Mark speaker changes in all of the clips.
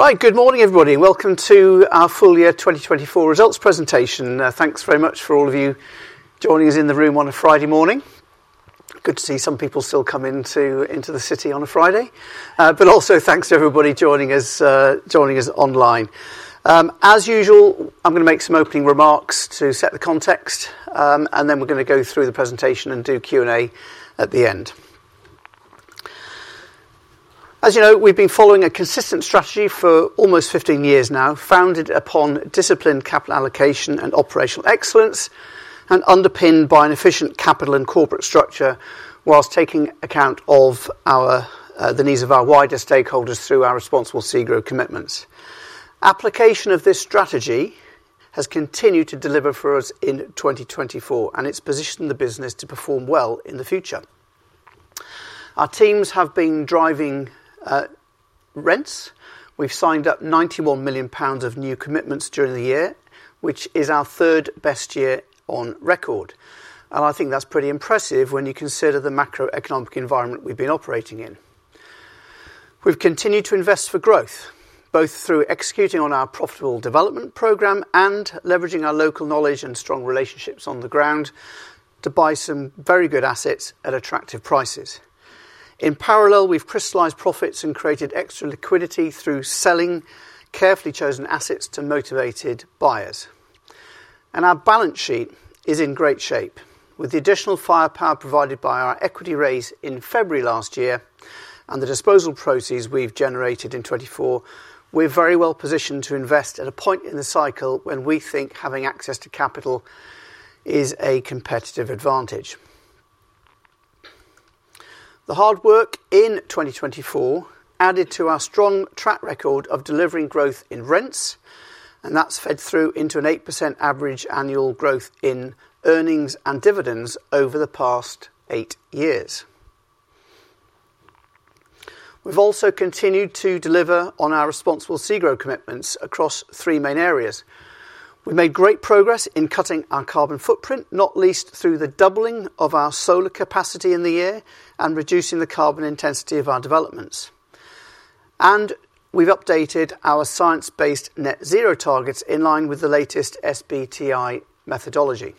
Speaker 1: Right, good morning everybody, and welcome to our full year 2024 results presentation. Thanks very much for all of you joining us in the room on a Friday morning. Good to see some people still come into the city on a Friday. But also thanks to everybody joining us online. As usual, I'm going to make some opening remarks to set the context, and then we're going to go through the presentation and do Q&A at the end. As you know, we've been following a consistent strategy for almost 15 years now, founded upon disciplined capital allocation and operational excellence, and underpinned by an efficient capital and corporate structure, while taking account of the needs of our wider stakeholders through our Responsible SEGRO commitments. Application of this strategy has continued to deliver for us in 2024, and it's positioned the business to perform well in the future. Our teams have been driving rents. We've signed up 91 million pounds of new commitments during the year, which is our third best year on record, and I think that's pretty impressive when you consider the macroeconomic environment we've been operating in. We've continued to invest for growth, both through executing on our profitable development program and leveraging our local knowledge and strong relationships on the ground to buy some very good assets at attractive prices. In parallel, we've crystallized profits and created extra liquidity through selling carefully chosen assets to motivated buyers, and our balance sheet is in great shape. With the additional firepower provided by our equity raise in February last year and the disposal proceeds we've generated in 2024, we're very well positioned to invest at a point in the cycle when we think having access to capital is a competitive advantage. The hard work in 2024 added to our strong track record of delivering growth in rents, and that's fed through into an 8% average annual growth in earnings and dividends over the past eight years. We've also continued to deliver on our Responsible SEGRO commitments across three main areas. We've made great progress in cutting our carbon footprint, not least through the doubling of our solar capacity in the year and reducing the carbon intensity of our developments, and we've updated our science-based net zero targets in line with the latest SBTi methodology.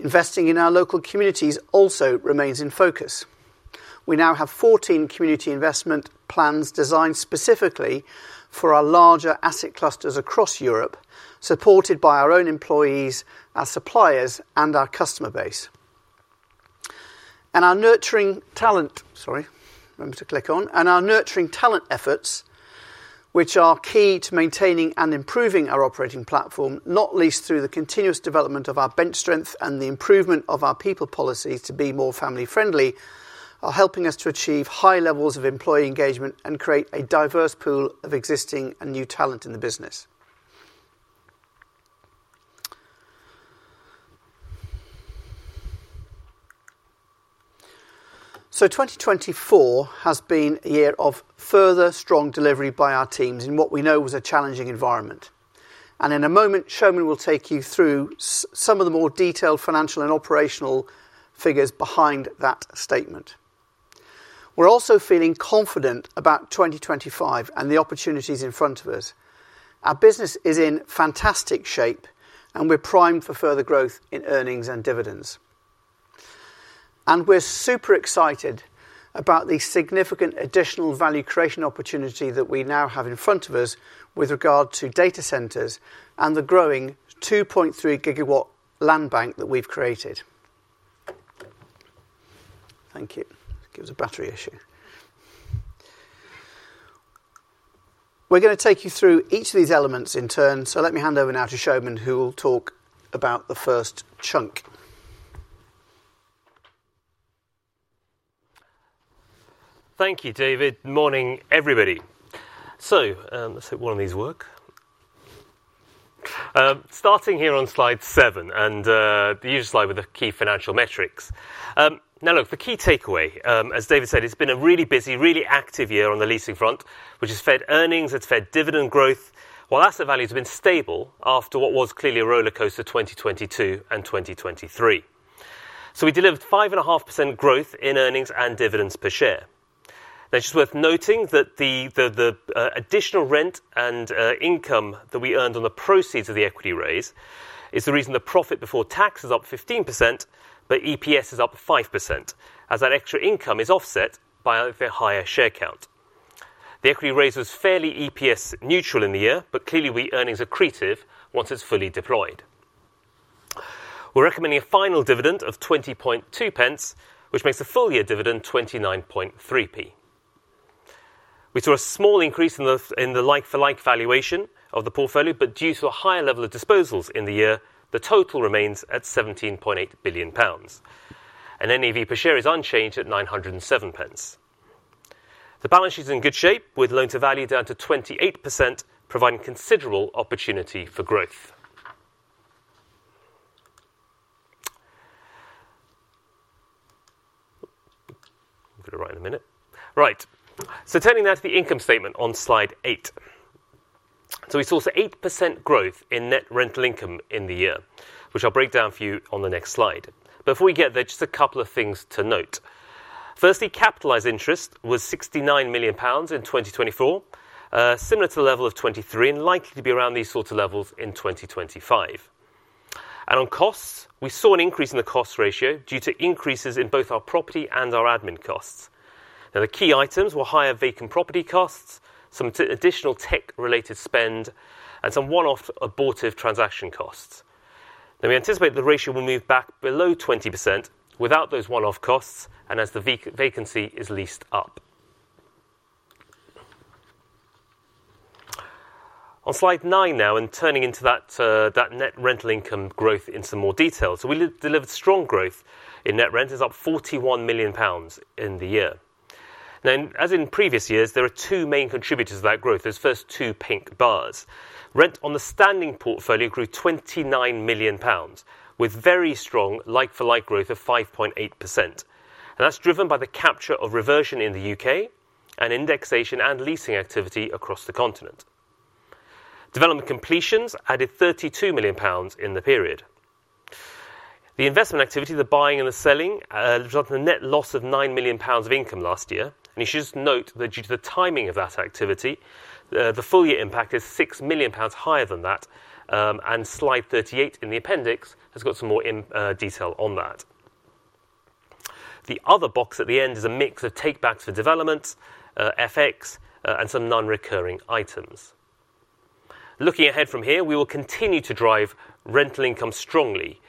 Speaker 1: Investing in our local communities also remains in focus. We now have 14 community investment plans designed specifically for our larger asset clusters across Europe, supported by our own employees, our suppliers, and our customer base. And our nurturing talent, sorry, I remembered to click on, and our nurturing talent efforts, which are key to maintaining and improving our operating platform, not least through the continuous development of our bench strength and the improvement of our people policies to be more family-friendly, are helping us to achieve high levels of employee engagement and create a diverse pool of existing and new talent in the business. So 2024 has been a year of further strong delivery by our teams in what we know was a challenging environment. And in a moment, Soumen will take you through some of the more detailed financial and operational figures behind that statement. We're also feeling confident about 2025 and the opportunities in front of us. Our business is in fantastic shape, and we're primed for further growth in earnings and dividends. We're super excited about the significant additional value creation opportunity that we now have in front of us with regard to data centers and the growing 2.3-gigawatt land bank that we've created. Thank you. It'S gives a battery issue. We're going to take you through each of these elements in turn. So let me hand over now to Soumen, who will talk about the first chunk.
Speaker 2: Thank you, David. Good morning, everybody. So let's have one of these work. Starting here on slide seven, and the usual slide with the key financial metrics. Now, look, the key takeaway, as David said, it's been a really busy, really active year on the leasing front, which has fed earnings, it's fed dividend growth, while asset values have been stable after what was clearly a roller coaster 2022 and 2023. So we delivered 5.5% growth in earnings and dividends per share. Now, it's just worth noting that the additional rent and income that we earned on the proceeds of the equity raise is the reason the profit before tax is up 15%, but EPS is up 5%, as that extra income is offset by the higher share count. The equity raise was fairly EPS neutral in the year, but clearly it's accretive once it's fully deployed. We're recommending a final dividend of 20.2 pence, which makes a full year dividend 29.3p. We saw a small increase in the like-for-like valuation of the portfolio, but due to a higher level of disposals in the year, the total remains at 17.8 billion pounds. NAV per share is unchanged at 907 pence. The balance sheet is in good shape, with loan-to-value down to 28%, providing considerable opportunity for growth. I'm going to write in a minute. Right, so turning now to the income statement on slide eight. We saw 8% growth in net rental income in the year, which I'll break down for you on the next slide. Before we get there, just a couple of things to note. Firstly, capitalized interest was 69 million pounds in 2024, similar to the level of 2023 and likely to be around these sort of levels in 2025. And on costs, we saw an increase in the cost ratio due to increases in both our property and our admin costs. Now, the key items were higher vacant property costs, some additional tech-related spend, and some one-off abortive transaction costs. Now, we anticipate the ratio will move back below 20% without those one-off costs and as the vacancy is leased up. On slide nine now, and turning into that net rental income growth in some more detail. So we delivered strong growth in net rents, up 41 million pounds in the year. Now, as in previous years, there are two main contributors to that growth. There's first two pink bars. Rent on the standing portfolio grew 29 million pounds, with very strong like-for-like growth of 5.8%. And that's driven by the capture of reversion in the U.K. and indexation and leasing activity across the continent. Development completions added 32 million pounds in the period. The investment activity, the buying and the selling, resulted in a net loss of 9 million pounds of income last year. And you should just note that due to the timing of that activity, the full year impact is 6 million pounds higher than that. And slide 38 in the appendix has got some more detail on that. The other box at the end is a mix of take-backs for developments, FX, and some non-recurring items. Looking ahead from here, we will continue to drive rental income strongly,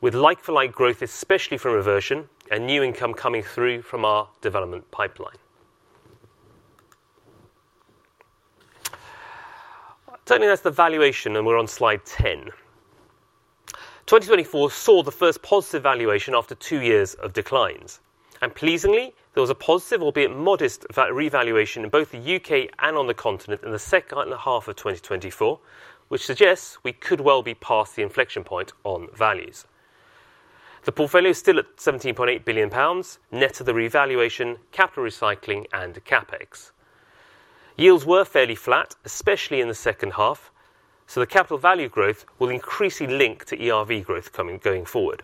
Speaker 2: with like-for-like growth, especially from reversion and new income coming through from our development pipeline. Turning that to the valuation, and we're on slide 10. 2024 saw the first positive valuation after two years of declines. Pleasingly, there was a positive, albeit modest, revaluation in both the UK and on the continent in the second half of 2024, which suggests we could well be past the inflection point on values. The portfolio is still at GBP 17.8 billion, net of the revaluation, capital recycling, and CapEx. Yields were fairly flat, especially in the second half. So the capital value growth will increasingly link to ERV growth going forward.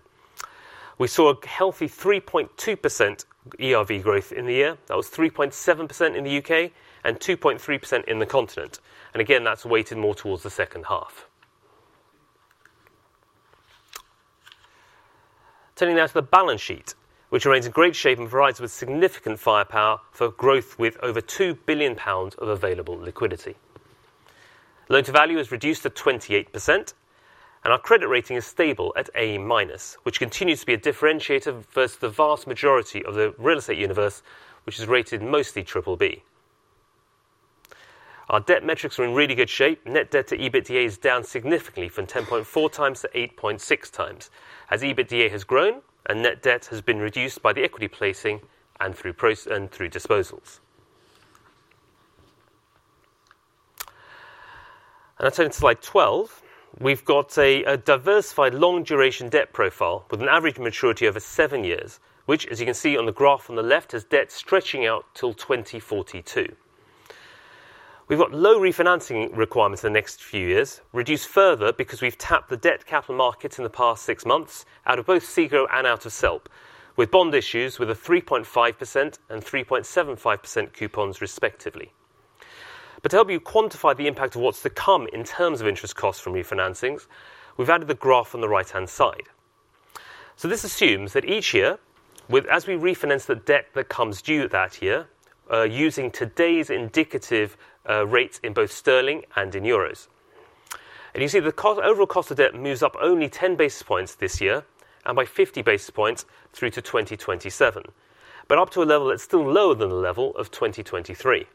Speaker 2: We saw a healthy 3.2% ERV growth in the year. That was 3.7% in the UK and 2.3% in the continent. And again, that's weighted more towards the second half. Turning now to the balance sheet, which remains in great shape and provides with significant firepower for growth with over 2 billion pounds of available liquidity. Loan-to-value has reduced to 28%, and our credit rating is stable at A-minus, which continues to be a differentiator versus the vast majority of the real estate universe, which is rated mostly BBB. Our debt metrics are in really good shape. Net debt to EBITDA is down significantly from 10.4 times to 8.6 times, as EBITDA has grown and net debt has been reduced by the equity placing and through disposals. and I turn to slide 12. We've got a diversified long-duration debt profile with an average maturity of seven years, which, as you can see on the graph on the left, has debt stretching out till 2042. We've got low refinancing requirements in the next few years, reduced further because we've tapped the debt capital markets in the past six months out of both SEGRO and out of SELP, with bond issues with a 3.5% and 3.75% coupons respectively. But to help you quantify the impact of what's to come in terms of interest costs from refinancings, we've added the graph on the right-hand side. So this assumes that each year, as we refinance the debt that comes due that year, using today's indicative rates in both sterling and in euros. And you see the overall cost of debt moves up only 10 basis points this year and by 50 basis points through to 2027, but up to a level that's still lower than the level of 2023.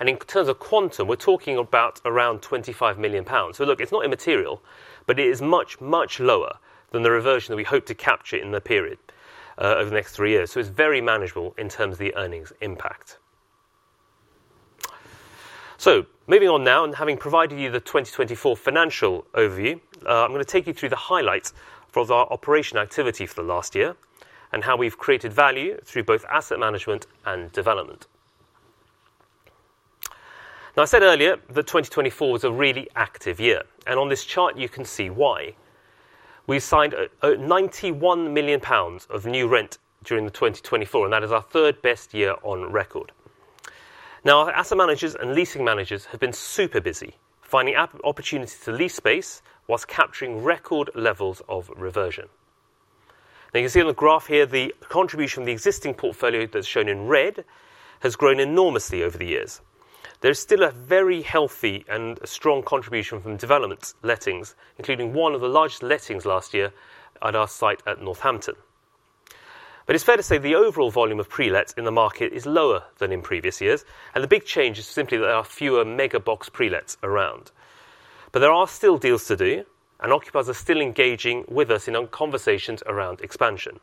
Speaker 2: And in terms of quantum, we're talking about around 25 million pounds. So look, it's not immaterial, but it is much, much lower than the reversion that we hope to capture in the period over the next three years. So it's very manageable in terms of the earnings impact. So moving on now, and having provided you the 2024 financial overview, I'm going to take you through the highlights for our operational activity for the last year and how we've created value through both asset management and development. Now, I said earlier that 2024 was a really active year. And on this chart, you can see why. We signed 91 million pounds of new rent during 2024, and that is our third best year on record. Now, our asset managers and leasing managers have been super busy finding opportunities to lease space whilst capturing record levels of reversion. Now, you can see on the graph here, the contribution from the existing portfolio that's shown in red has grown enormously over the years. There is still a very healthy and strong contribution from development lettings, including one of the largest lettings last year at our site at Northampton. It's fair to say the overall volume of pre-lets in the market is lower than in previous years. The big change is simply that there are fewer mega box pre-lets around. There are still deals to do, and occupiers are still engaging with us in conversations around expansion.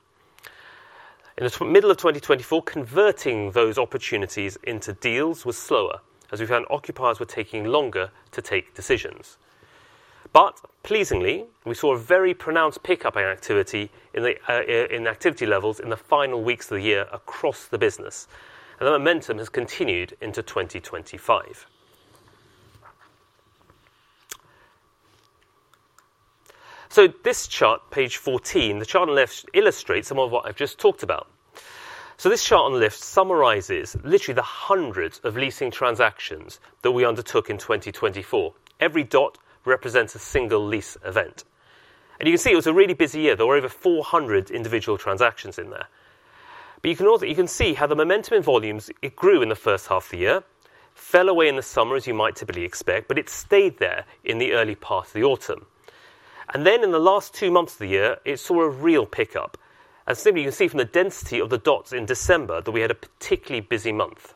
Speaker 2: In the middle of 2024, converting those opportunities into deals was slower, as we found occupiers were taking longer to take decisions. Pleasingly, we saw a very pronounced pickup in the activity levels in the final weeks of the year across the business. The momentum has continued into 2025. This chart, page 14, the chart on the left illustrates some of what I've just talked about. This chart on the left summarises literally the hundreds of leasing transactions that we undertook in 2024. Every dot represents a single lease event. You can see it was a really busy year. There were over 400 individual transactions in there. You can see how the momentum in volumes grew in the first half of the year, fell away in the summer, as you might typically expect, but it stayed there in the early part of the autumn. Then in the last two months of the year, it saw a real pickup. Simply, you can see from the density of the dots in December that we had a particularly busy month.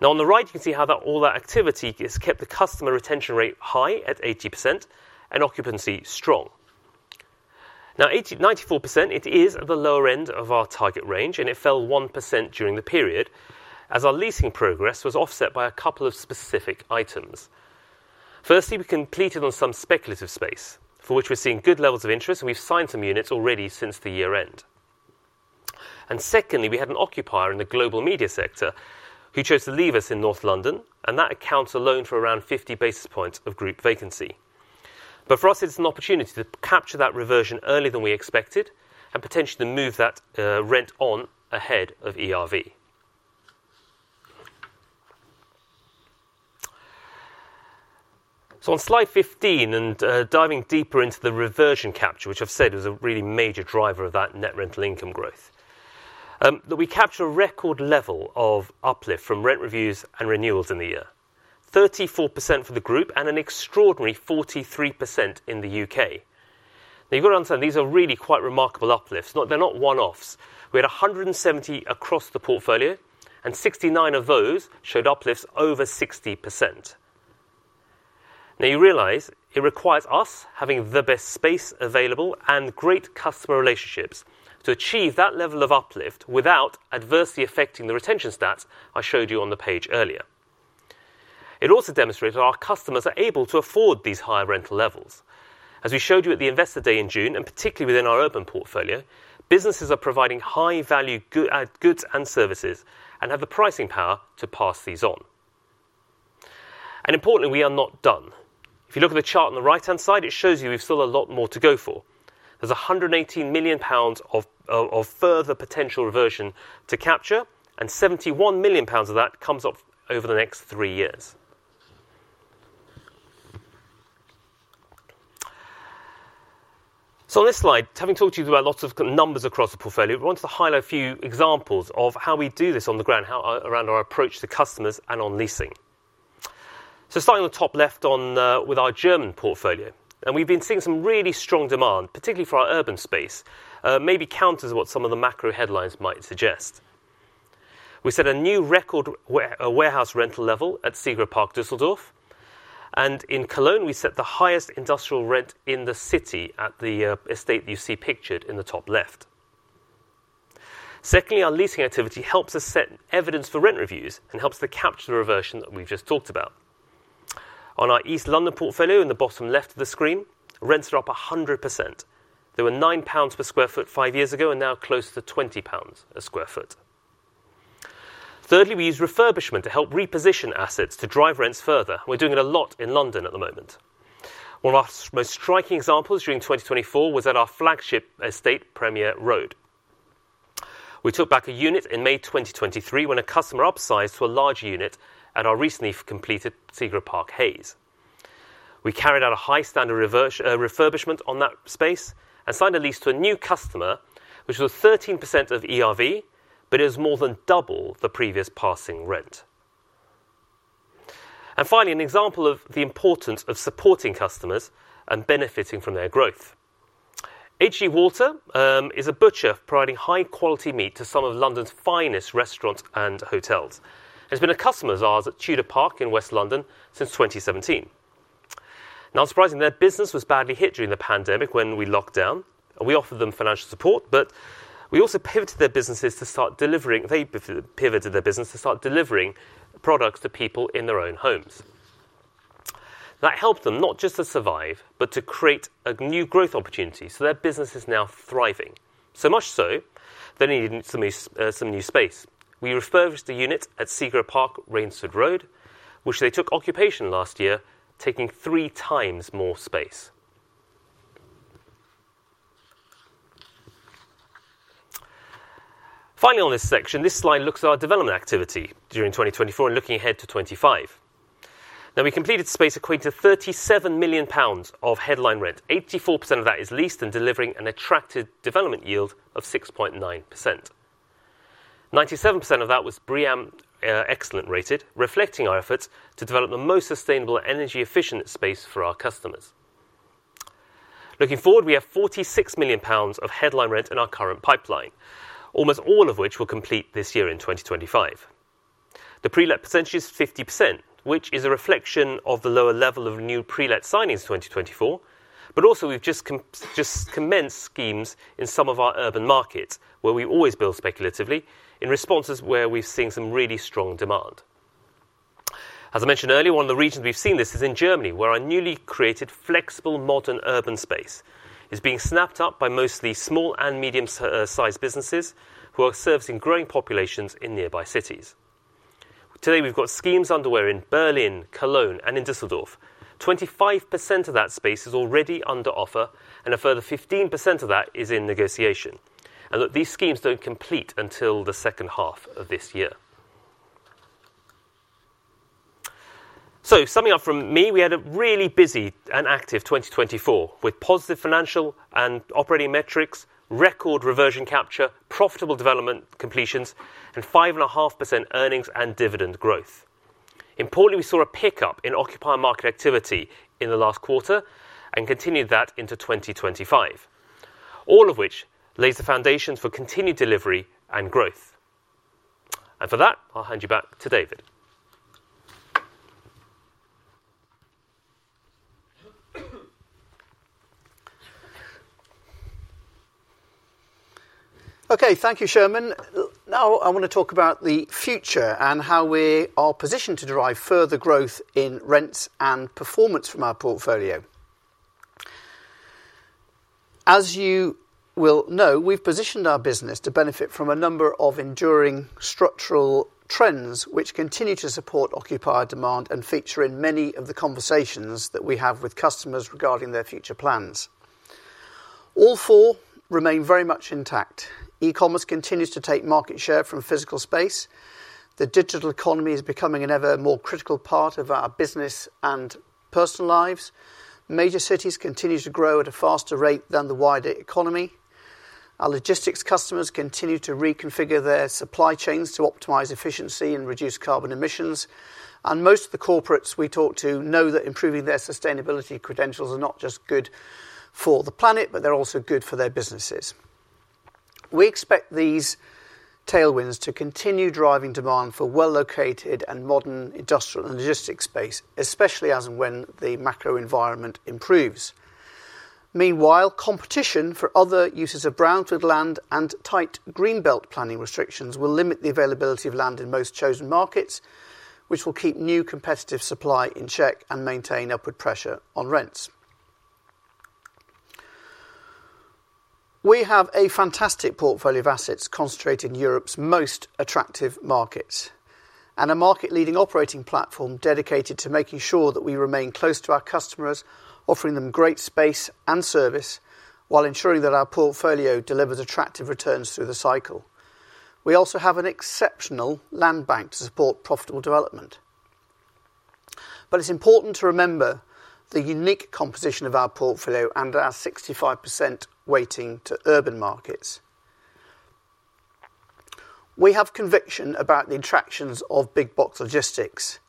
Speaker 2: Now, on the right, you can see how all that activity has kept the customer retention rate high at 80% and occupancy strong. Now, 94%, it is at the lower end of our target range, and it fell 1% during the period as our leasing progress was offset by a couple of specific items. Firstly, we completed on some speculative space, for which we're seeing good levels of interest, and we've signed some units already since the year-end, and secondly, we had an occupier in the global media sector who chose to leave us in North London, and that accounts alone for around 50 basis points of group vacancy, but for us, it's an opportunity to capture that reversion earlier than we expected and potentially to move that rent on ahead of ERV, so on slide 15 and diving deeper into the reversion capture, which I've said was a really major driver of that net rental income growth, that we capture a record level of uplift from rent reviews and renewals in the year, 34% for the group and an extraordinary 43% in the UK. Now, you've got to understand, these are really quite remarkable uplifts. They're not one-offs. We had 170 across the portfolio, and 69 of those showed uplifts over 60%. Now, you realize it requires us having the best space available and great customer relationships to achieve that level of uplift without adversely affecting the retention stats I showed you on the page earlier. It also demonstrates that our customers are able to afford these higher rental levels. As we showed you at the investor day in June, and particularly within our urban portfolio, businesses are providing high-value goods and services and have the pricing power to pass these on. And importantly, we are not done. If you look at the chart on the right-hand side, it shows you we've still a lot more to go for. There's 118 million pounds of further potential reversion to capture, and 71 million pounds of that comes up over the next three years. So on this slide, having talked to you about lots of numbers across the portfolio, I wanted to highlight a few examples of how we do this on the ground, around our approach to customers and on leasing. So starting on the top left with our German portfolio, and we've been seeing some really strong demand, particularly for our urban space, maybe counter to what some of the macro headlines might suggest. We set a new record warehouse rental level at SEGRO Park Düsseldorf. And in Cologne, we set the highest industrial rent in the city at the estate that you see pictured in the top left. Secondly, our leasing activity helps us set evidence for rent reviews and helps to capture the reversion that we've just talked about. On our East London portfolio in the bottom left of the screen, rents are up 100%. They were 9 pounds per sq ft five years ago and now close to 20 pounds per sq ft. Thirdly, we use refurbishment to help reposition assets to drive rents further. We're doing it a lot in London at the moment. One of our most striking examples during 2024 was at our flagship estate, Premier Park. We took back a unit in May 2023 when a customer upsized to a larger unit at our recently completed SEGRO Park Hayes. We carried out a high-standard refurbishment on that space and signed a lease to a new customer, which was 13% of ERV, but it was more than double the previous passing rent. And finally, an example of the importance of supporting customers and benefiting from their growth. HG Walter is a butcher providing high-quality meat to some of London's finest restaurants and hotels. It's been a customer of ours at Tudor Park in West London since 2017. Now, unsurprisingly, their business was badly hit during the pandemic when we locked down. We offered them financial support, but we also pivoted their businesses to start delivering—they pivoted their business to start delivering products to people in their own homes. That helped them not just to survive, but to create a new growth opportunity. So their business is now thriving, so much so they need some new space. We refurbished the unit at SEGRO Park Rainsford Road, which they took occupation last year, taking three times more space. Finally, on this section, this slide looks at our development activity during 2024 and looking ahead to 2025. Now, we completed space equating to 37 million pounds of headline rent. 84% of that is leased and delivering an attractive development yield of 6.9%. 97% of that was BREEAM Excellent rated, reflecting our efforts to develop the most sustainable energy-efficient space for our customers. Looking forward, we have £46 million of headline rent in our current pipeline, almost all of which will complete this year in 2025. The pre-let percentage is 50%, which is a reflection of the lower level of new pre-let signings in 2024. But also, we've just commenced schemes in some of our urban markets where we always build speculatively in responses where we've seen some really strong demand. As I mentioned earlier, one of the regions we've seen this is in Germany, where our newly created flexible modern urban space is being snapped up by mostly small and medium-sized businesses who are servicing growing populations in nearby cities. Today, we've got schemes underway in Berlin, Cologne, and in Düsseldorf. 25% of that space is already under offer, and a further 15% of that is in negotiation. And these schemes don't complete until the second half of this year. So summing up from me, we had a really busy and active 2024 with positive financial and operating metrics, record reversion capture, profitable development completions, and 5.5% earnings and dividend growth. Importantly, we saw a pickup in occupier market activity in the last quarter and continued that into 2025, all of which lays the foundations for continued delivery and growth. And for that, I'll hand you back to David.
Speaker 1: Okay, thank you, Soumen. Now, I want to talk about the future and how we are positioned to derive further growth in rents and performance from our portfolio. As you will know, we've positioned our business to benefit from a number of enduring structural trends, which continue to support occupier demand and feature in many of the conversations that we have with customers regarding their future plans. All four remain very much intact. E-commerce continues to take market share from physical space. The digital economy is becoming an ever more critical part of our business and personal lives. Major cities continue to grow at a faster rate than the wider economy. Our logistics customers continue to reconfigure their supply chains to optimize efficiency and reduce carbon emissions. And most of the corporates we talk to know that improving their sustainability credentials are not just good for the planet, but they're also good for their businesses. We expect these tailwinds to continue driving demand for well-located and modern industrial and logistics space, especially as and when the macro environment improves. Meanwhile, competition for other uses of brownfield land and tight greenbelt planning restrictions will limit the availability of land in most chosen markets, which will keep new competitive supply in check and maintain upward pressure on rents. We have a fantastic portfolio of assets concentrated in Europe's most attractive markets and a market-leading operating platform dedicated to making sure that we remain close to our customers, offering them great space and service while ensuring that our portfolio delivers attractive returns through the cycle. We also have an exceptional land bank to support profitable development. But it's important to remember the unique composition of our portfolio and our 65% weighting to urban markets. We have conviction about the attractions of big box logistics,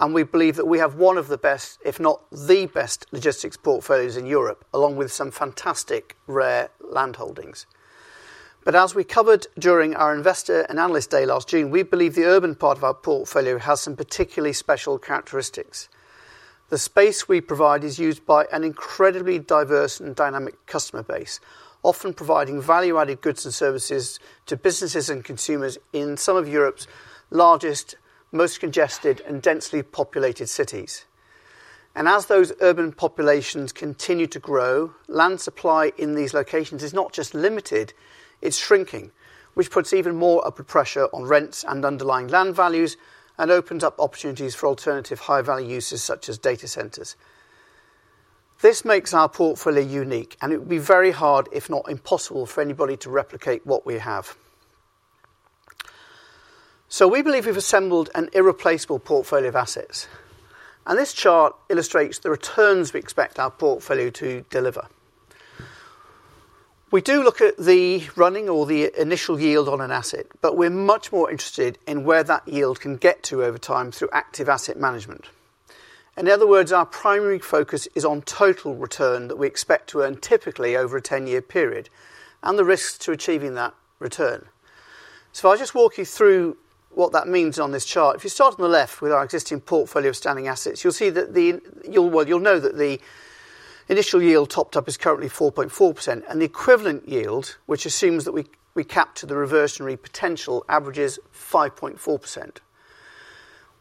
Speaker 1: and we believe that we have one of the best, if not the best, logistics portfolios in Europe, along with some fantastic rare land holdings. But as we covered during our investor and analyst day last June, we believe the urban part of our portfolio has some particularly special characteristics. The space we provide is used by an incredibly diverse and dynamic customer base, often providing value-added goods and services to businesses and consumers in some of Europe's largest, most congested, and densely populated cities. And as those urban populations continue to grow, land supply in these locations is not just limited. It's shrinking, which puts even more upward pressure on rents and underlying land values and opens up opportunities for alternative high-value uses such as data centers. This makes our portfolio unique, and it would be very hard, if not impossible, for anybody to replicate what we have, so we believe we've assembled an irreplaceable portfolio of assets, and this chart illustrates the returns we expect our portfolio to deliver. We do look at the running or the initial yield on an asset, but we're much more interested in where that yield can get to over time through active asset management. In other words, our primary focus is on total return that we expect to earn typically over a 10-year period and the risks to achieving that return, so if I just walk you through what that means on this chart. If you start on the left with our existing portfolio of standing assets, you'll see that the, well, you'll know that the initial yield topped up is currently 4.4%, and the equivalent yield, which assumes that we cap to the reversionary potential, averages 5.4%.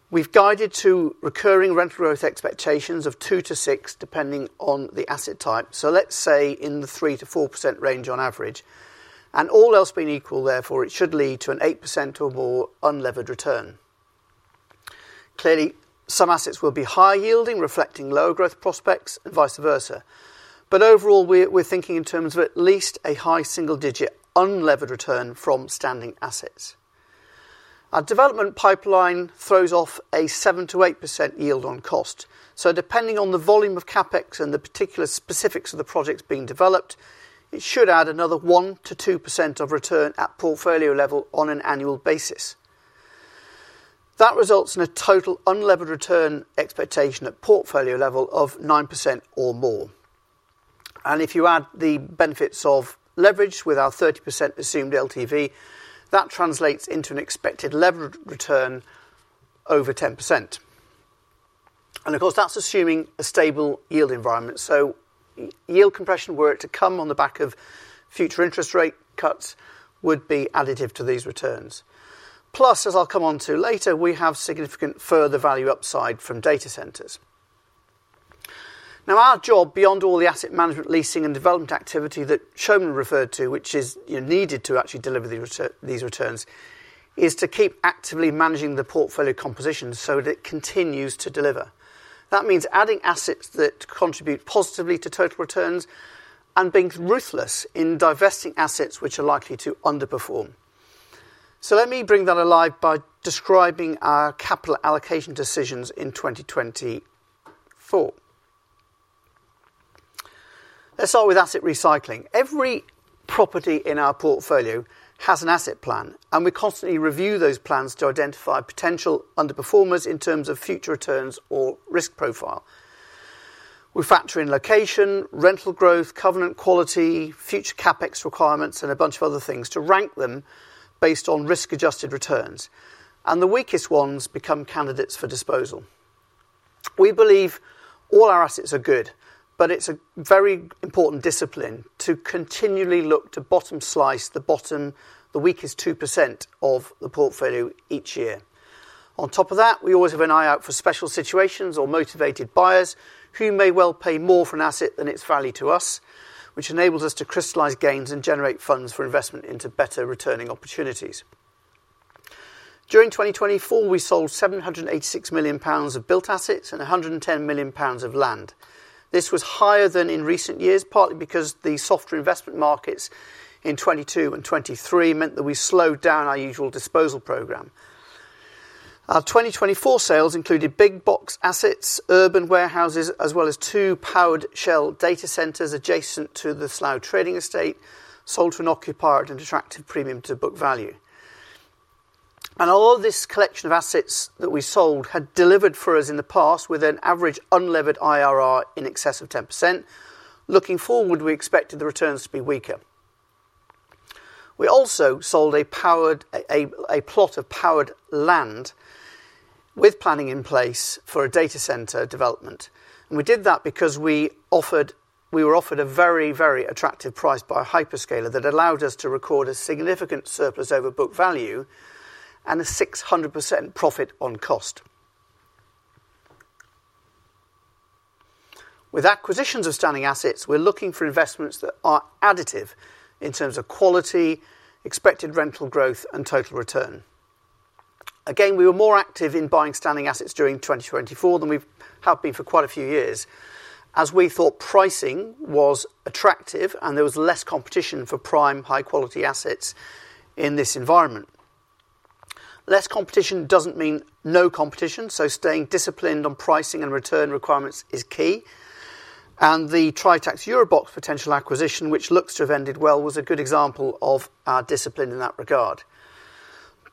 Speaker 1: We've guided to recurring rental growth expectations of 2%-6%, depending on the asset type, so let's say in the 3%-4% range on average, and all else being equal, therefore, it should lead to an 8% or more unlevered return. Clearly, some assets will be high-yielding, reflecting lower growth prospects and vice versa, but overall, we're thinking in terms of at least a high single-digit unlevered return from standing assets. Our development pipeline throws off a 7%-8% yield on cost. Depending on the volume of CapEx and the particular specifics of the projects being developed, it should add another 1%-2% of return at portfolio level on an annual basis. That results in a total unlevered return expectation at portfolio level of 9% or more. If you add the benefits of leverage with our 30% assumed LTV, that translates into an expected leverage return over 10%. Of course, that's assuming a stable yield environment. Yield compression were it to come on the back of future interest rate cuts would be additive to these returns. Plus, as I'll come on to later, we have significant further value upside from data centers. Now, our job, beyond all the asset management, leasing, and development activity that Soumen referred to, which is needed to actually deliver these returns, is to keep actively managing the portfolio composition so that it continues to deliver. That means adding assets that contribute positively to total returns and being ruthless in divesting assets which are likely to underperform. So let me bring that alive by describing our capital allocation decisions in 2024. Let's start with asset recycling. Every property in our portfolio has an asset plan, and we constantly review those plans to identify potential underperformers in terms of future returns or risk profile. We factor in location, rental growth, covenant quality, future CapEx requirements, and a bunch of other things to rank them based on risk-adjusted returns. And the weakest ones become candidates for disposal. We believe all our assets are good, but it's a very important discipline to continually look to bottom slice the bottom, the weakest 2% of the portfolio each year. On top of that, we always have an eye out for special situations or motivated buyers who may well pay more for an asset than its value to us, which enables us to crystallize gains and generate funds for investment into better returning opportunities. During 2024, we sold 786 million pounds of built assets and 110 million pounds of land. This was higher than in recent years, partly because the softer investment markets in 2022 and 2023 meant that we slowed down our usual disposal program. Our 2024 sales included big box assets, urban warehouses, as well as two powered shell data centers adjacent to the Slough Trading Estate, sold to an occupier and attracted premium to book value. And although this collection of assets that we sold had delivered for us in the past with an average unlevered IRR in excess of 10%, looking forward, we expected the returns to be weaker. We also sold a plot of powered land with planning in place for a data center development. And we did that because we were offered a very, very attractive price by a hyperscaler that allowed us to record a significant surplus over book value and a 600% profit on cost. With acquisitions of standing assets, we're looking for investments that are additive in terms of quality, expected rental growth, and total return. Again, we were more active in buying standing assets during 2024 than we have been for quite a few years, as we thought pricing was attractive and there was less competition for prime, high-quality assets in this environment. competition, so staying disciplined on pricing and return requirements is key. And the Tritax EuroBox potential acquisition, which looks to have ended well, was a good example of our discipline in that regard, and the Tritax EuroBox potential acquisition, which looks to have ended well, was a good example of our discipline in that regard.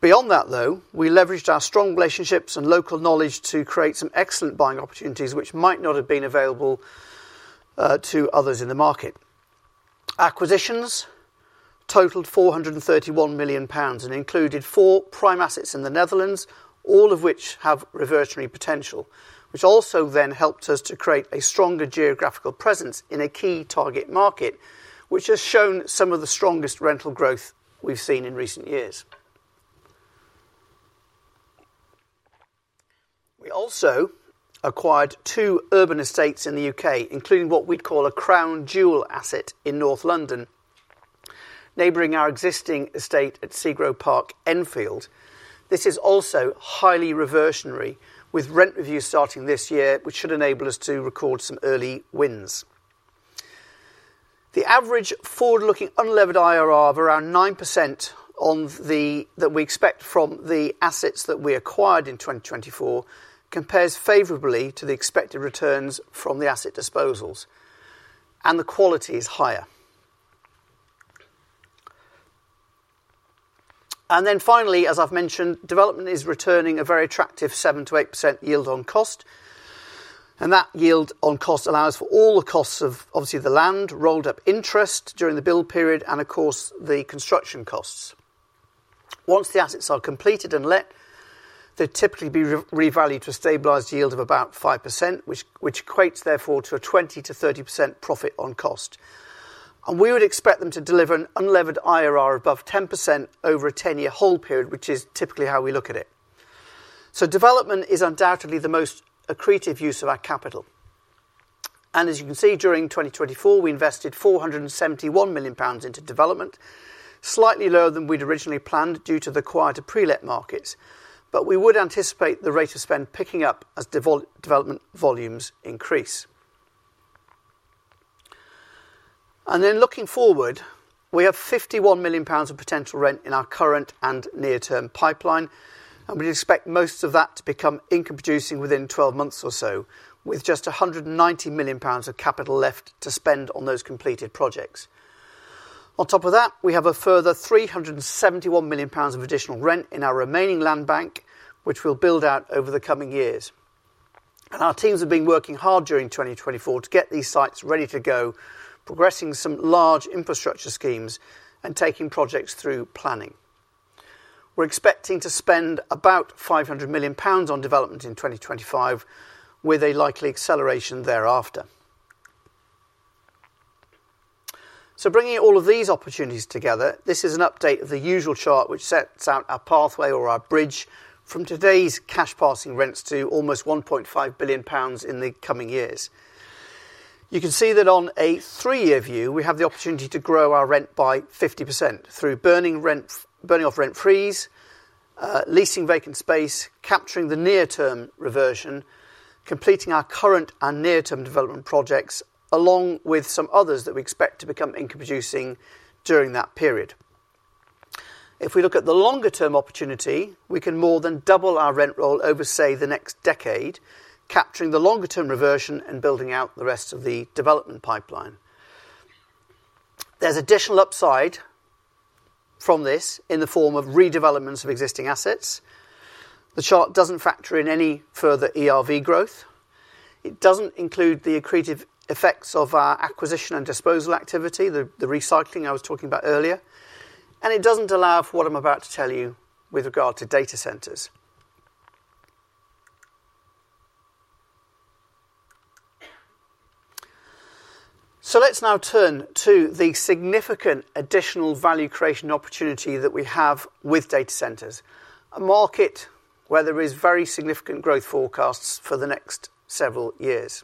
Speaker 1: Beyond that, though, we leveraged our strong relationships and local knowledge to create some excellent buying opportunities which might not have been available to others in the market. Acquisitions totaled 431 million pounds and included four prime assets in the Netherlands, all of which have reversionary potential, which also then helped us to create a stronger geographical presence in a key target market, which has shown some of the strongest rental growth we've seen in recent years. We also acquired two urban estates in the U.K., including what we'd call a crown jewel asset in North London, neighboring our existing estate at SEGRO Park Enfield. This is also highly reversionary, with rent reviews starting this year, which should enable us to record some early wins. The average forward-looking unlevered IRR of around 9% that we expect from the assets that we acquired in 2024 compares favorably to the expected returns from the asset disposals, and the quality is higher. And then finally, as I've mentioned, development is returning a very attractive 7%-8% yield on cost. And that yield on cost allows for all the costs of, obviously, the land, rolled up interest during the build period, and of course, the construction costs. Once the assets are completed and let, they'd typically be revalued to a stabilized yield of about 5%, which equates therefore to a 20%-30% profit on cost. We would expect them to deliver an unlevered IRR above 10% over a 10-year hold period, which is typically how we look at it. Development is undoubtedly the most accretive use of our capital. As you can see, during 2024, we invested 471 million pounds into development, slightly lower than we'd originally planned due to the quieter pre-let markets. We would anticipate the rate of spend picking up as development volumes increase. Then looking forward, we have 51 million pounds of potential rent in our current and near-term pipeline, and we'd expect most of that to become income-producing within 12 months or so, with just 190 million pounds of capital left to spend on those completed projects. On top of that, we have a further 371 million pounds of additional rent in our remaining land bank, which we'll build out over the coming years. Our teams have been working hard during 2024 to get these sites ready to go, progressing some large infrastructure schemes and taking projects through planning. We're expecting to spend about 500 million pounds on development in 2025, with a likely acceleration thereafter. Bringing all of these opportunities together, this is an update of the usual chart, which sets out our pathway or our bridge from today's cash-passing rents to almost 1.5 billion pounds in the coming years. You can see that on a three-year view, we have the opportunity to grow our rent by 50% through burning off rent freeze, leasing vacant space, capturing the near-term reversion, completing our current and near-term development projects, along with some others that we expect to become income-producing during that period. If we look at the longer-term opportunity, we can more than double our rent roll over, say, the next decade, capturing the longer-term reversion and building out the rest of the development pipeline. There's additional upside from this in the form of redevelopments of existing assets. The chart doesn't factor in any further ERV growth. It doesn't include the accretive effects of our acquisition and disposal activity, the recycling I was talking about earlier, and it doesn't allow for what I'm about to tell you with regard to data centers. So let's now turn to the significant additional value creation opportunity that we have with data centers, a market where there are very significant growth forecasts for the next several years.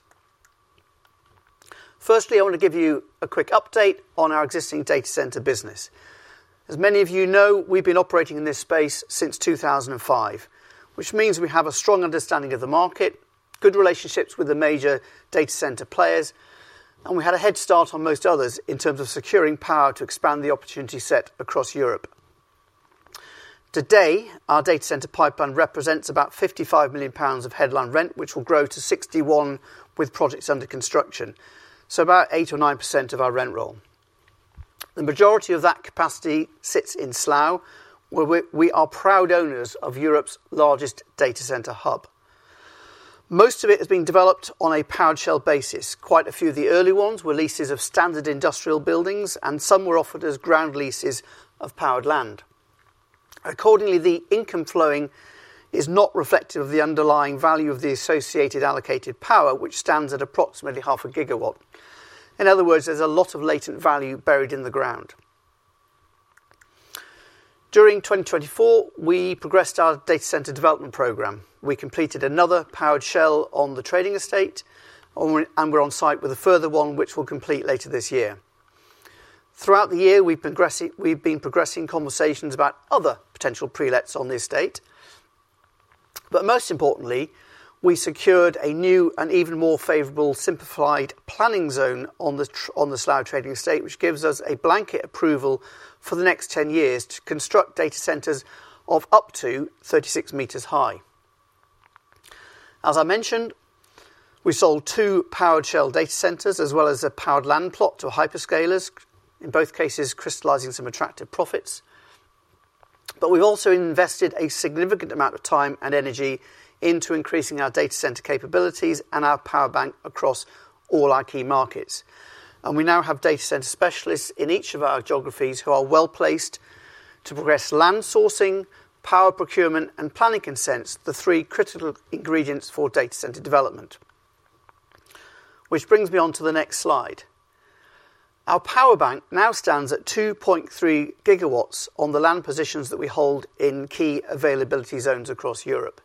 Speaker 1: Firstly, I want to give you a quick update on our existing data center business. As many of you know, we've been operating in this space since 2005, which means we have a strong understanding of the market, good relationships with the major data center players, and we had a head start on most others in terms of securing power to expand the opportunity set across Europe. Today, our data center pipeline represents about 55 million pounds of headline rent, which will grow to 61 million with projects under construction, so about 8 or 9% of our rent roll. The majority of that capacity sits in Slough, where we are proud owners of Europe's largest data center hub. Most of it has been developed on a powered shell basis. Quite a few of the early ones were leases of standard industrial buildings, and some were offered as ground leases of powered land. Accordingly, the income flowing is not reflective of the underlying value of the associated allocated power, which stands at approximately 0.5 gigawatts. In other words, there's a lot of latent value buried in the ground. During 2024, we progressed our data center development program. We completed another powered shell on the trading estate, and we're on site with a further one, which we'll complete later this year. Throughout the year, we've been progressing conversations about other potential pre-lets on the estate. But most importantly, we secured a new and even more favorable simplified planning zone on the Slough Trading Estate, which gives us a blanket approval for the next 10 years to construct data centers of up to 36 meters high. As I mentioned, we sold two powered shell data centers as well as a powered land plot to hyperscalers, in both cases crystallizing some attractive profits. But we've also invested a significant amount of time and energy into increasing our data center capabilities and our power bank across all our key markets. And we now have data center specialists in each of our geographies who are well placed to progress land sourcing, power procurement, and planning consents, the three critical ingredients for data center development, which brings me on to the next slide. Our power bank now stands at 2.3 gigawatts on the land positions that we hold in key availability zones across Europe.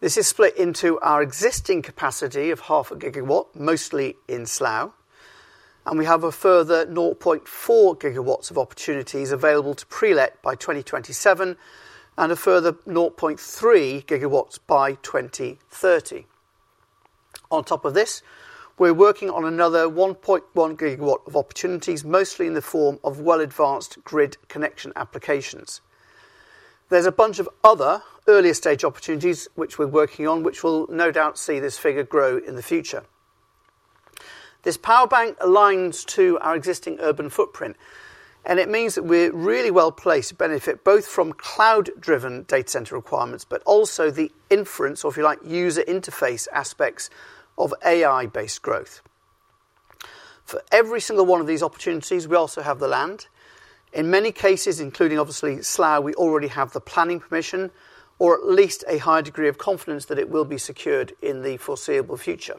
Speaker 1: This is split into our existing capacity of 0.5 gigawatts, mostly in Slough, and we have a further 0.4 gigawatts of opportunities available to pre-let by 2027 and a further 0.3 gigawatts by 2030. On top of this, we're working on another 1.1 gigawatt of opportunities, mostly in the form of well-advanced grid connection applications. There's a bunch of other earlier stage opportunities which we're working on, which will no doubt see this figure grow in the future. This power bank aligns to our existing urban footprint, and it means that we're really well placed to benefit both from cloud-driven data center requirements, but also the inference, or if you like, user interface aspects of AI-based growth. For every single one of these opportunities, we also have the land. In many cases, including obviously Slough, we already have the planning permission or at least a high degree of confidence that it will be secured in the foreseeable future.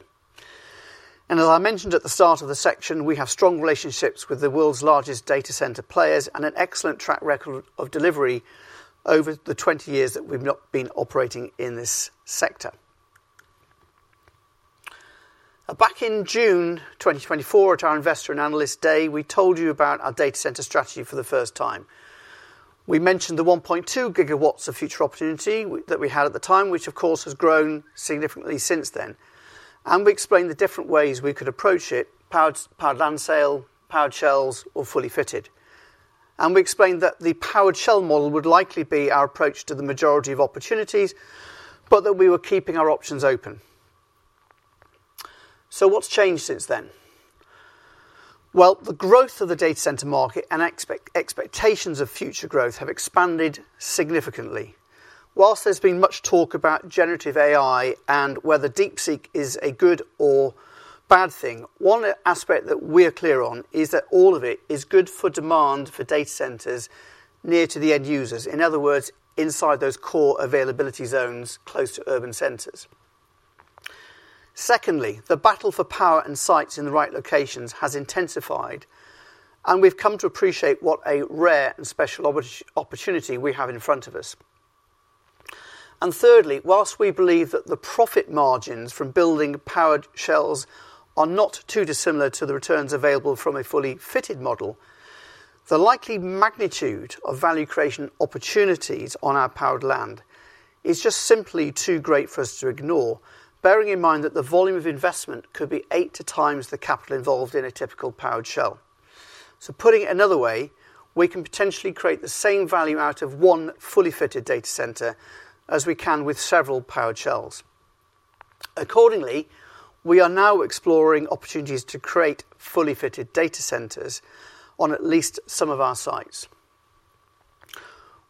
Speaker 1: And as I mentioned at the start of the section, we have strong relationships with the world's largest data center players and an excellent track record of delivery over the 20 years that we've not been operating in this sector. Back in June 2024, at our Investor and Analyst Day, we told you about our data center strategy for the first time. We mentioned the 1.2 gigawatts of future opportunity that we had at the time, which of course has grown significantly since then. And we explained the different ways we could approach it: powered land sale, powered shells, or fully fitted. And we explained that the powered shell model would likely be our approach to the majority of opportunities, but that we were keeping our options open. So what's changed since then? Well, the growth of the data center market and expectations of future growth have expanded significantly. While there's been much talk about generative AI and whether DeepSeek is a good or bad thing, one aspect that we're clear on is that all of it is good for demand for data centers near to the end users, in other words, inside those core Availability Zones close to urban centers. Secondly, the battle for power and sites in the right locations has intensified, and we've come to appreciate what a rare and special opportunity we have in front of us. And thirdly, while we believe that the profit margins from building powered shells are not too dissimilar to the returns available from a fully fitted model, the likely magnitude of value creation opportunities on our powered land is just simply too great for us to ignore, bearing in mind that the volume of investment could be eight times the capital involved in a typical powered shell. So putting it another way, we can potentially create the same value out of one fully fitted data center as we can with several powered shells. Accordingly, we are now exploring opportunities to create fully fitted data centers on at least some of our sites.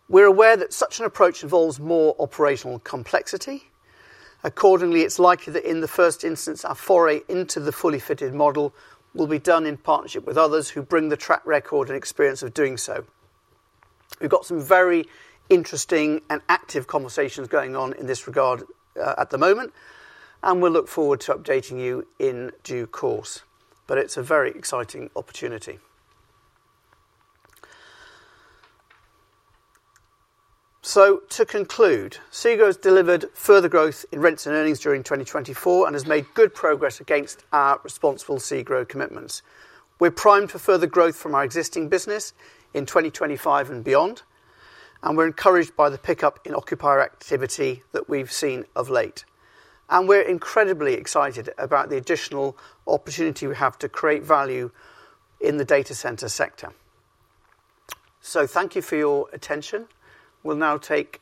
Speaker 1: We're aware that such an approach involves more operational complexity. Accordingly, it's likely that in the first instance, our foray into the fully fitted model will be done in partnership with others who bring the track record and experience of doing so. We've got some very interesting and active conversations going on in this regard at the moment, and we'll look forward to updating you in due course. But it's a very exciting opportunity. So to conclude, SEGRO has delivered further growth in rents and earnings during 2024 and has made good progress against our Responsible SEGRO commitments. We're primed for further growth from our existing business in 2025 and beyond, and we're encouraged by the pickup in occupier activity that we've seen of late. And we're incredibly excited about the additional opportunity we have to create value in the data center sector. So thank you for your attention. We'll now take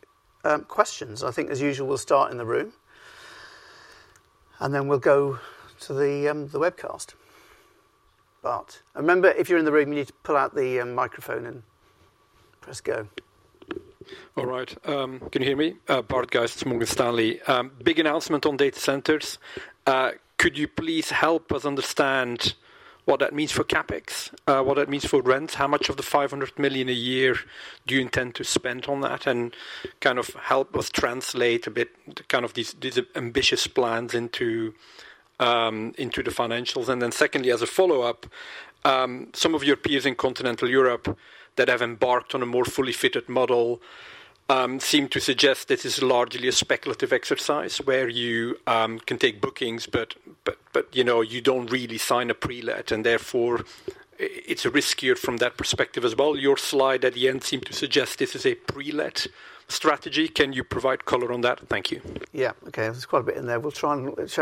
Speaker 1: questions. I think, as usual, we'll start in the room, and then we'll go to the webcast. But remember, if you're in the room, you need to pull out the microphone and press go.
Speaker 3: All right. Can you hear me? Bart Gys, Morgan Stanley. Big announcement on data centers. Could you please help us understand what that means for CapEx, what that means for rents? How much of the 500 million a year do you intend to spend on that and kind of help us translate a bit kind of these ambitious plans into the financials? Then secondly, as a follow-up, some of your peers in continental Europe that have embarked on a more fully fitted model seem to suggest this is largely a speculative exercise where you can take bookings, but you don't really sign a pre-let, and therefore it's riskier from that perspective as well. Your slide at the end seemed to suggest this is a pre-let strategy. Can you provide color on that? Thank you.
Speaker 1: Yeah. Okay. There's quite a bit in there. We'll show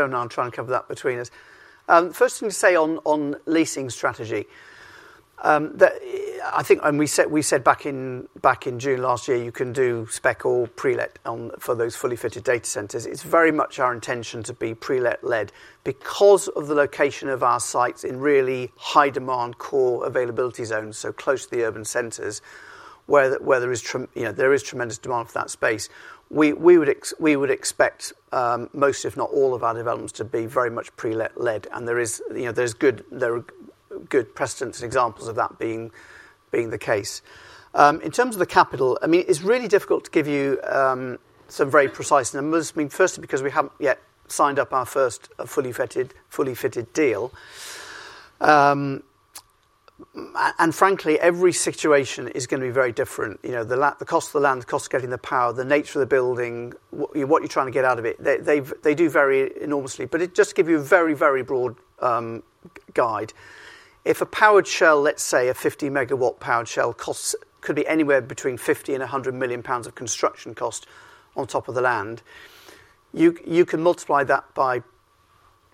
Speaker 1: now and try and cover that between us. First thing to say on leasing strategy, I think we said back in June last year, you can do spec or pre-let for those fully fitted data centers. It's very much our intention to be pre-let-led because of the location of our sites in really high-demand core availability zones, so close to the urban centers where there is tremendous demand for that space. We would expect most, if not all, of our developments to be very much pre-let-led, and there's good precedents and examples of that being the case. In terms of the capital, I mean, it's really difficult to give you some very precise numbers. I mean, firstly, because we haven't yet signed up our first fully fitted deal. And frankly, every situation is going to be very different. The cost of the land, the cost of getting the power, the nature of the building, what you're trying to get out of it, they do vary enormously, but it just gives you a very, very broad guide. If a powered shell, let's say a 50-megawatt powered shell, could be anywhere between 50-100 million pounds of construction cost on top of the land, you can multiply that by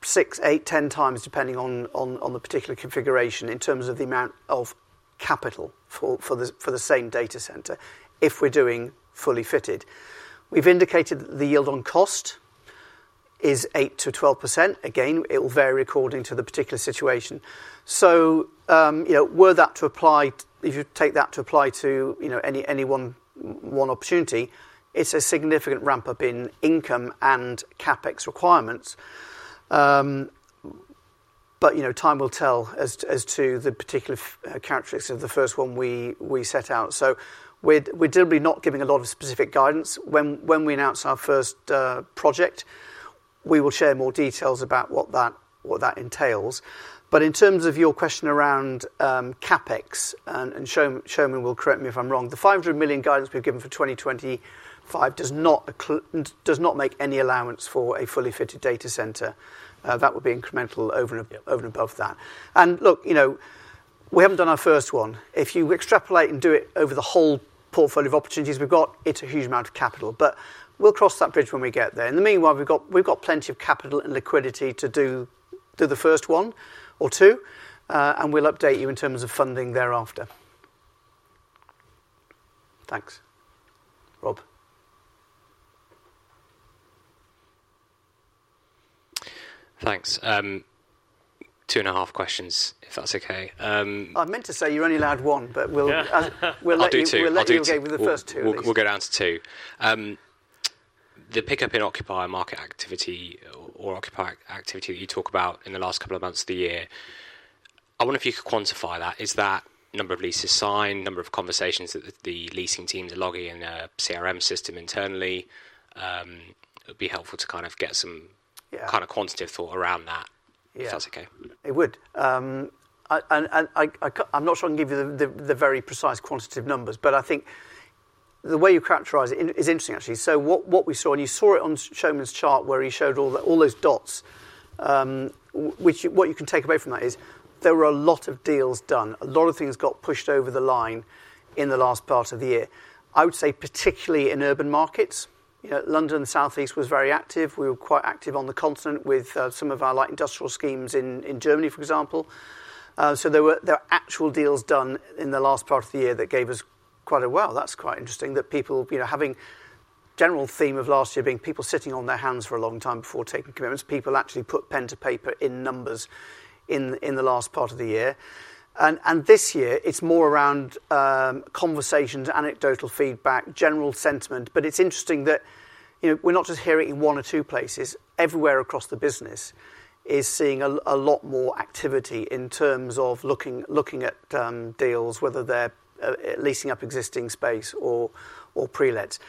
Speaker 1: six, eight, ten times, depending on the particular configuration in terms of the amount of capital for the same data center if we're doing fully fitted. We've indicated that the yield on cost is 8%-12%. Again, it will vary according to the particular situation. So were that to apply, if you take that to apply to any one opportunity, it's a significant ramp-up in income and CapEx requirements. But time will tell as to the particular characteristics of the first one we set out. So we're generally not giving a lot of specific guidance. When we announce our first project, we will share more details about what that entails. But in terms of your question around CapEx, and Soumen will correct me if I'm wrong, the 500 million guidance we've given for 2025 does not make any allowance for a fully fitted data center. That would be incremental over and above that. And look, we haven't done our first one. If you extrapolate and do it over the whole portfolio of opportunities we've got, it's a huge amount of capital. But we'll cross that bridge when we get there. In the meanwhile, we've got plenty of capital and liquidity to do the first one or two, and we'll update you in terms of funding thereafter. Thanks. Rob. Thanks. Two and a half questions, if that's okay. I meant to say you're only allowed one, but we'll let you go with the first two. We'll go down to two. The pickup in occupier market activity or occupier activity that you talk about in the last couple of months of the year, I wonder if you could quantify that. Is that number of leases signed, number of conversations that the leasing teams are logging in their CRM system internally? It would be helpful to kind of get some kind of quantitative thought around that, if that's okay. It would. And I'm not sure I can give you the very precise quantitative numbers, but I think the way you characterize it is interesting, actually. So what we saw, and you saw it on Soumen's chart where he showed all those dots, what you can take away from that is there were a lot of deals done. A lot of things got pushed over the line in the last part of the year. I would say particularly in urban markets, London and Southeast was very active. We were quite active on the continent with some of our light industrial schemes in Germany, for example. So there were actual deals done in the last part of the year that gave us quite a, well, that's quite interesting, that people, having general theme of last year being people sitting on their hands for a long time before taking commitments, people actually put pen to paper in numbers in the last part of the year, and this year, it's more around conversations, anecdotal feedback, general sentiment, but it's interesting that we're not just hearing it in one or two places. Everywhere across the business is seeing a lot more activity in terms of looking at deals, whether they're leasing up existing space or pre-let.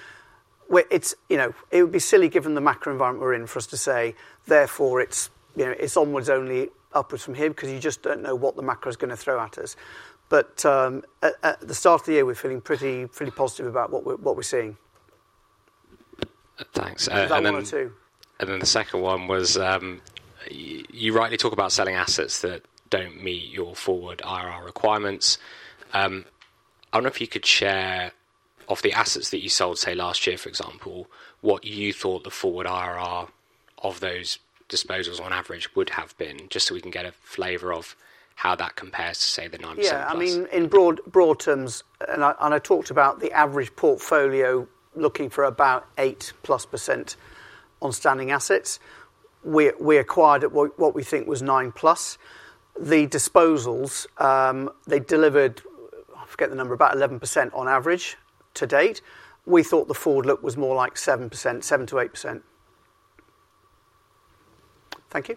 Speaker 1: It would be silly given the macro environment we're in for us to say, therefore, it's onwards only upwards from here because you just don't know what the macro is going to throw at us. But at the start of the year, we're feeling pretty positive about what we're seeing. Thanks. That one or two. And then the second one was you rightly talk about selling assets that don't meet your forward IRR requirements. I don't know if you could share of the assets that you sold, say, last year, for example, what you thought the forward IRR of those disposals on average would have been, just so we can get a flavor of how that compares to, say, the 9%. Yeah. I mean, in broad terms, and I talked about the average portfolio looking for about 8% plus on standing assets. We acquired what we think was 9 plus. The disposals, they delivered, I forget the number, about 11% on average to date. We thought the forward look was more like 7%, 7%-8%. Thank you.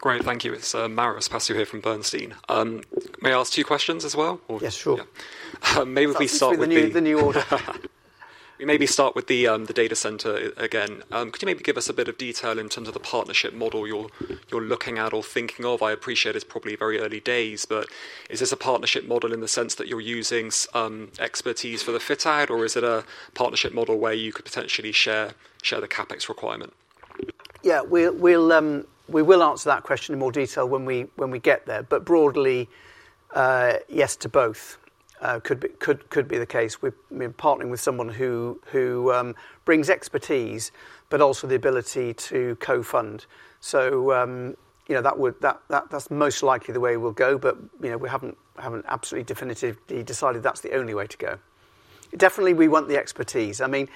Speaker 1: Great. Thank you. It's Maris Passeau here from Bernstein. May I ask two questions as well? Yes, sure. Maybe we start with the new order. We maybe start with the data center again. Could you maybe give us a bit of detail in terms of the partnership model you're looking at or thinking of? I appreciate it's probably very early days, but is this a partnership model in the sense that you're using expertise for the fit out, or is it a partnership model where you could potentially share the CapEx requirement? Yeah. We will answer that question in more detail when we get there. But broadly, yes to both could be the case. We're partnering with someone who brings expertise, but also the ability to co-fund. So that's most likely the way we'll go, but we haven't absolutely definitively decided that's the only way to go. Definitely, we want the expertise. I mean,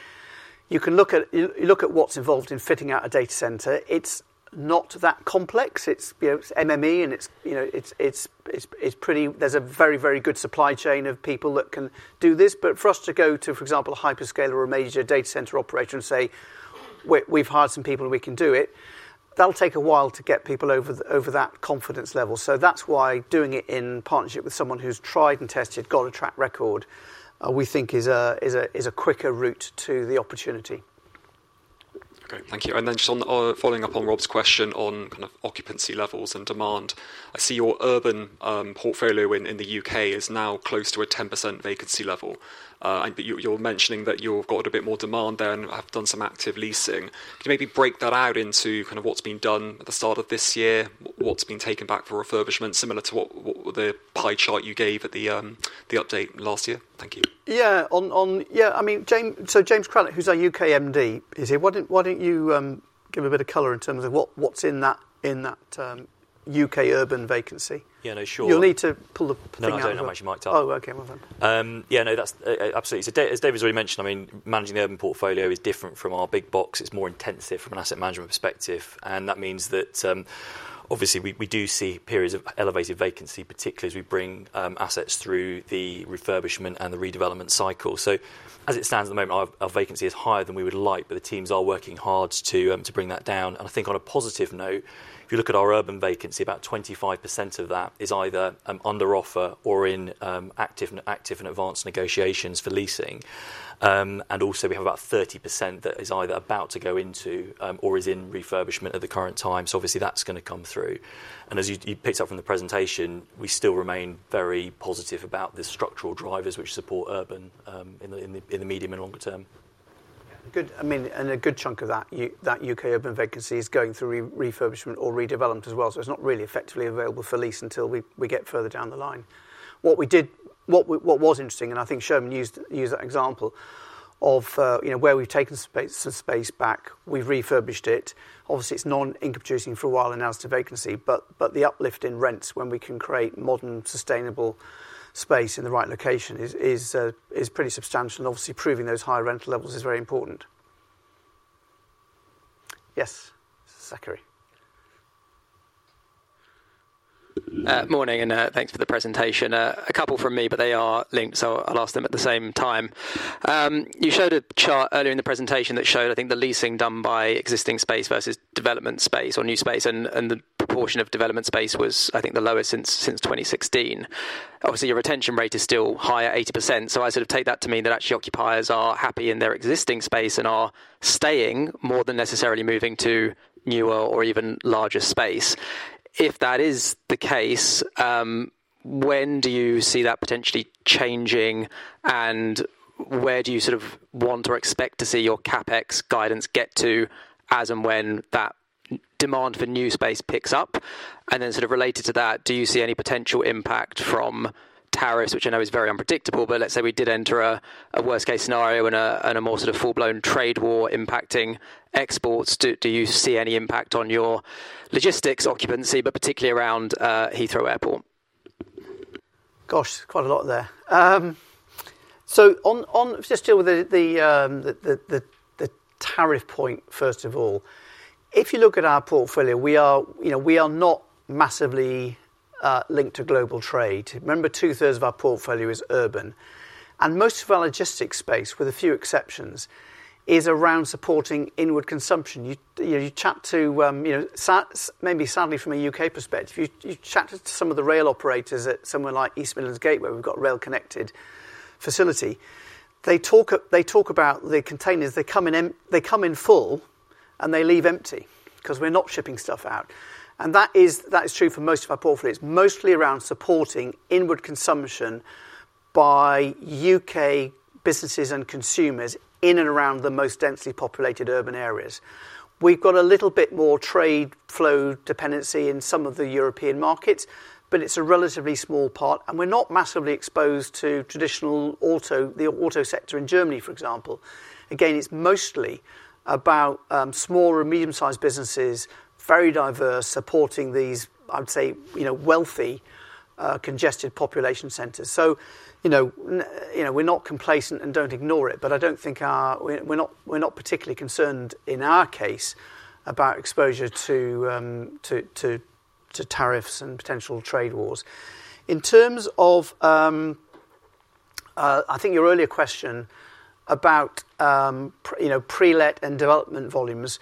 Speaker 1: you can look at what's involved in fitting out a data center. It's not that complex. It's M&E, and it's pretty, there's a very, very good supply chain of people that can do this. But for us to go to, for example, a hyperscaler or a major data center operator and say, "We've hired some people, we can do it," that'll take a while to get people over that confidence level. So that's why doing it in partnership with someone who's tried and tested, got a track record, we think is a quicker route to the opportunity. Okay. Thank you. And then just following up on Rob's question on kind of occupancy levels and demand, I see your urban portfolio in the U.K. is now close to a 10% vacancy level. But you're mentioning that you've got a bit more demand there and have done some active leasing. Can you maybe break that out into kind of what's been done at the start of this year, what's been taken back for refurbishment, similar to the pie chart you gave at the update last year? Thank you. Yeah. I mean, so James Craddock, who's our U.K. MD, is here. Why don't you give a bit of colour in terms of what's in that U.K. urban vacancy? Yeah, no, sure. You'll need to pull the thing out. I don't know how much you might tell. Oh, okay. Yeah, no, absolutely.
Speaker 4: As David's already mentioned, I mean, managing the urban portfolio is different from our big box. It's more intensive from an asset management perspective. And that means that obviously, we do see periods of elevated vacancy, particularly as we bring assets through the refurbishment and the redevelopment cycle. So as it stands at the moment, our vacancy is higher than we would like, but the teams are working hard to bring that down. And I think on a positive note, if you look at our urban vacancy, about 25% of that is either under offer or in active and advanced negotiations for leasing. And also, we have about 30% that is either about to go into or is in refurbishment at the current time. So obviously, that's going to come through. As you picked up from the presentation, we still remain very positive about the structural drivers which support urban in the medium and longer term. I mean, and a good chunk of that UK urban vacancy is going through refurbishment or redevelopment as well. So it's not really effectively available for lease until we get further down the line. What was interesting, and I think Soumen used that example of where we've taken some space back, we've refurbished it. Obviously, it's non-income producing for a while and now it's a vacancy, but the uplift in rents when we can create modern, sustainable space in the right location is pretty substantial. Obviously, proving those higher rental levels is very important. Yes. Zachary. Morning, and thanks for the presentation. A couple from me, but they are linked, so I'll ask them at the same time. You showed a chart earlier in the presentation that showed, I think, the leasing done by existing space versus development space or new space, and the proportion of development space was, I think, the lowest since 2016. Obviously, your retention rate is still higher, 80%. So I sort of take that to mean that actually occupiers are happy in their existing space and are staying more than necessarily moving to newer or even larger space. If that is the case, when do you see that potentially changing, and where do you sort of want or expect to see your CapEx guidance get to as and when that demand for new space picks up? And then sort of related to that, do you see any potential impact from tariffs, which I know is very unpredictable, but let's say we did enter a worst-case scenario and a more sort of full-blown trade war impacting exports? Do you see any impact on your logistics occupancy, but particularly around Heathrow Airport? Gosh, there's quite a lot there. So just deal with the tariff point, first of all. If you look at our portfolio, we are not massively linked to global trade. Remember, two-thirds of our portfolio is urban. And most of our logistics space, with a few exceptions, is around supporting inward consumption. You chat to, maybe sadly from a U.K. perspective, you chat to some of the rail operators at somewhere like East Midlands Gate, where we've got a rail-connected facility. They talk about the containers. They come in full, and they leave empty because we're not shipping stuff out. And that is true for most of our portfolio. It's mostly around supporting inward consumption by UK businesses and consumers in and around the most densely populated urban areas. We've got a little bit more trade flow dependency in some of the European markets, but it's a relatively small part. And we're not massively exposed to traditional auto, the auto sector in Germany, for example. Again, it's mostly about small or medium-sized businesses, very diverse, supporting these, I would say, wealthy, congested population centres. So we're not complacent and don't ignore it, but I don't think we're not particularly concerned in our case about exposure to tariffs and potential trade wars. In terms of, I think, your earlier question about pre-let and development volumes,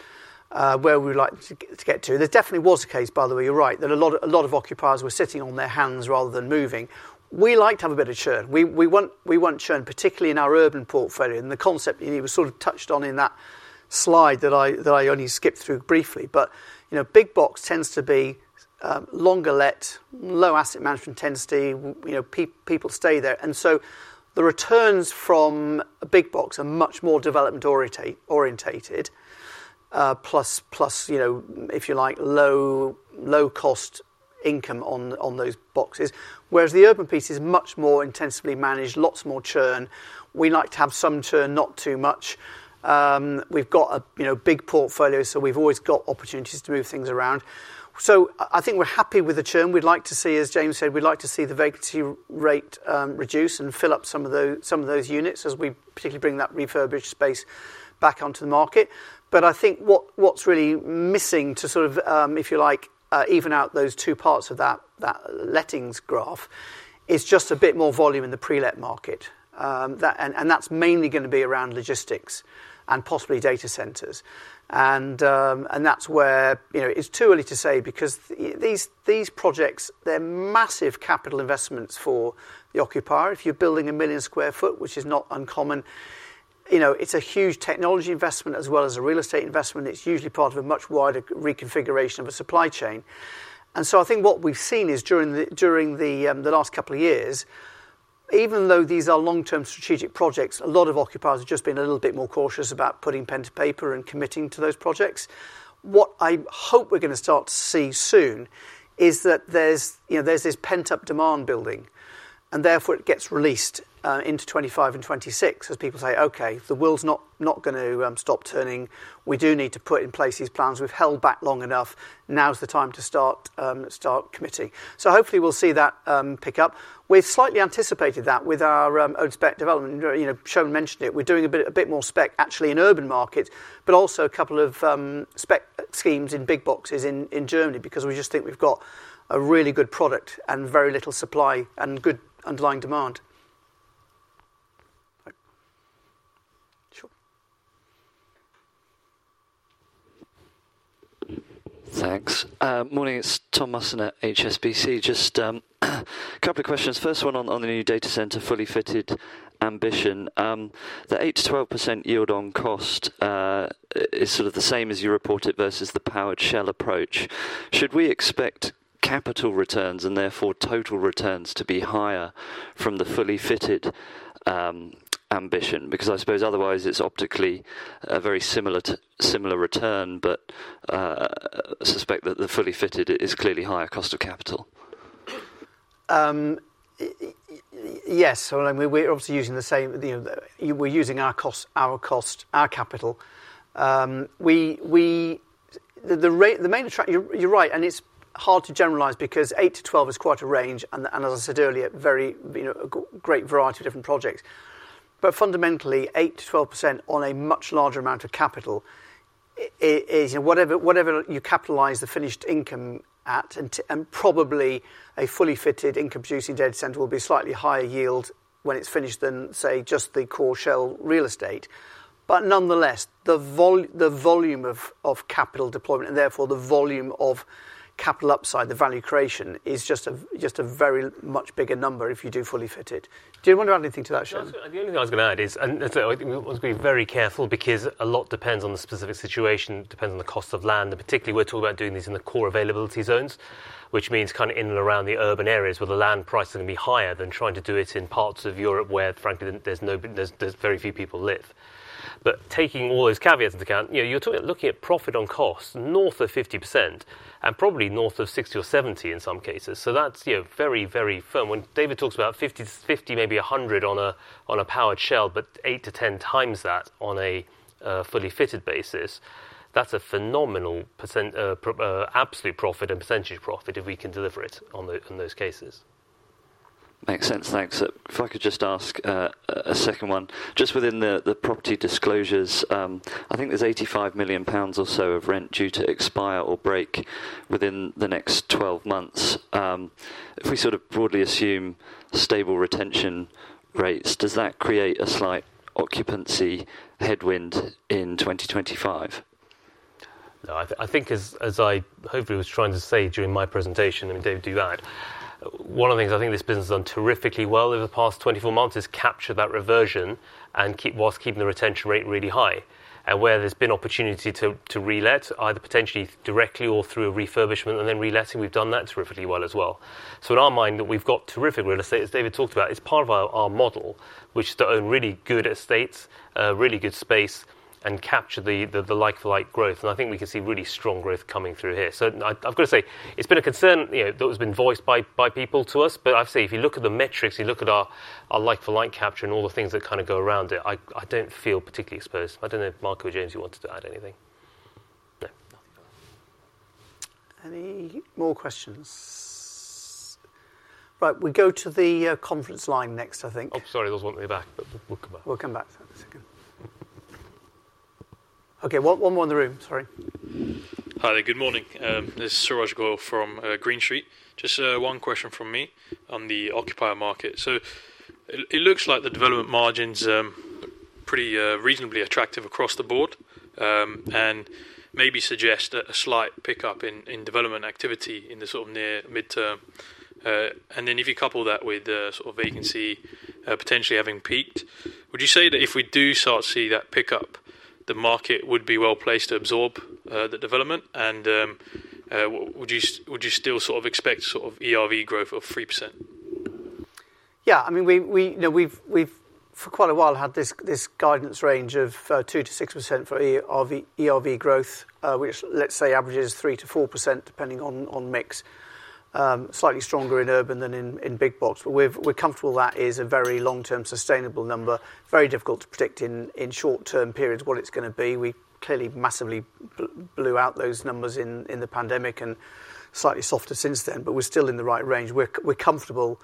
Speaker 4: where we would like to get to, there definitely was a case, by the way. You're right. A lot of occupiers were sitting on their hands rather than moving. We like to have a bit of churn. We want churn, particularly in our urban portfolio, and the concept you sort of touched on in that slide that I only skipped through briefly, but big box tends to be longer let, low asset management intensity. People stay there, and so the returns from a big box are much more development oriented, plus if you like, low-cost income on those boxes. Whereas the urban piece is much more intensively managed, lots more churn. We like to have some churn, not too much. We've got a big portfolio, so we've always got opportunities to move things around. I think we're happy with the churn. We'd like to see, as James said, we'd like to see the vacancy rate reduce and fill up some of those units as we particularly bring that refurbished space back onto the market. But I think what's really missing to sort of, if you like, even out those two parts of that lettings graph is just a bit more volume in the pre-let market. And that's mainly going to be around logistics and possibly data centers. And that's where it's too early to say because these projects, they're massive capital investments for the occupier. If you're building a million square foot, which is not uncommon, it's a huge technology investment as well as a real estate investment. It's usually part of a much wider reconfiguration of a supply chain. And so I think what we've seen is during the last couple of years, even though these are long-term strategic projects, a lot of occupiers have just been a little bit more cautious about putting pen to paper and committing to those projects. What I hope we're going to start to see soon is that there's this pent-up demand building, and therefore it gets released into 2025 and 2026 as people say, "Okay, the wheel's not going to stop turning. We do need to put in place these plans. We've held back long enough. Now's the time to start committing." So hopefully, we'll see that pick up. We've slightly anticipated that with our own spec development. Soumen mentioned it. We're doing a bit more spec actually in urban markets, but also a couple of spec schemes in big boxes in Germany because we just think we've got a really good product and very little supply and good underlying demand. Sure. Thanks. Morning, it's Tom Musson at HSBC. Just a couple of questions. First one on the new data center fully fitted ambition. The 8%-12% yield on cost is sort of the same as you reported versus the powered shell approach. Should we expect capital returns and therefore total returns to be higher from the fully fitted ambition? Because I suppose otherwise it's optically a very similar return, but I suspect that the fully fitted is clearly higher cost of capital. Yes. We're obviously using the same. We're using our cost of capital. The main attraction, you're right, and it's hard to generalize because 8-12 is quite a range. As I said earlier, a great variety of different projects. But fundamentally, 8%-12% on a much larger amount of capital is whatever you capitalize the finished income at. And probably a fully fitted income-producing data center will be a slightly higher yield when it's finished than, say, just the core shell real estate. But nonetheless, the volume of capital deployment and therefore the volume of capital upside, the value creation is just a very much bigger number if you do fully fitted. Do you want to add anything to that, Soumen? The only thing I was going to add is, and I was going to be very careful because a lot depends on the specific situation, depends on the cost of land. And particularly, we're talking about doing these in the core availability zones, which means kind of in and around the urban areas where the land price is going to be higher than trying to do it in parts of Europe where, frankly, there's very few people live. But taking all those caveats into account, you're looking at profit on cost north of 50% and probably north of 60% or 70% in some cases. So that's very, very firm. When David talks about 50, maybe 100 on a powered shell, but 8-10 times that on a fully fitted basis, that's a phenomenal absolute profit and percentage profit if we can deliver it on those cases. Makes sense. Thanks. If I could just ask a second one. Just within the property disclosures, I think there's 85 million pounds or so of rent due to expire or break within the next 12 months. If we sort of broadly assume stable retention rates, does that create a slight occupancy headwind in 2025? I think as I hopefully was trying to say during my presentation, I mean, David, do that. One of the things I think this business has done terrifically well over the past 24 months is capture that reversion whilst keeping the retention rate really high, and where there's been opportunity to relet, either potentially directly or through a refurbishment and then reletting, we've done that terrifically well as well, so in our mind, we've got terrific real estate, as David talked about. It's part of our model, which is to own really good estates, really good space, and capture the like-for-like growth. And I think we can see really strong growth coming through here. So I've got to say, it's been a concern that has been voiced by people to us. But I've said, if you look at the metrics, you look at our like-for-like capture and all the things that kind of go around it, I don't feel particularly exposed. I don't know if Marco, James, you wanted to add anything? No. Any more questions? Right. We go to the conference line next, I think. Oh, sorry. I was wanting to go back, but we'll come back. We'll come back to that in a second. Okay. One more in the room. Sorry. Hi. Good morning. This is Suraj Goyal from Green Street. Just one question from me on the occupier market. So it looks like the development margins are pretty reasonably attractive across the board and maybe suggest a slight pickup in development activity in the sort of near midterm. Then if you couple that with sort of vacancy potentially having peaked, would you say that if we do start to see that pickup, the market would be well placed to absorb the development? Would you still sort of expect sort of ERV growth of 3%? Yeah. I mean, we've for quite a while had this guidance range of 2-6% for ERV growth, which, let's say, averages 3-4% depending on mix. Slightly stronger in urban than in big box. We're comfortable that is a very long-term sustainable number. Very difficult to predict in short-term periods what it's going to be. We clearly massively blew out those numbers in the pandemic and slightly softer since then, but we're still in the right range. We're comfortable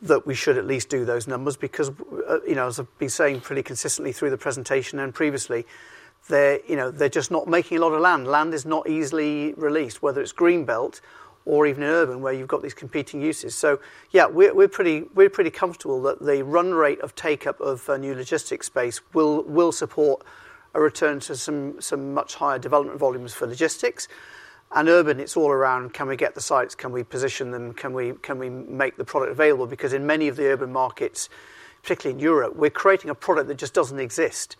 Speaker 4: that we should at least do those numbers because, as I've been saying pretty consistently through the presentation and previously, they're just not making a lot of land. Land is not easily released, whether it's greenbelt or even in urban where you've got these competing uses. So yeah, we're pretty comfortable that the run rate of take-up of new logistics space will support a return to some much higher development volumes for logistics. And urban, it's all around, can we get the sites? Can we position them? Can we make the product available? Because in many of the urban markets, particularly in Europe, we're creating a product that just doesn't exist.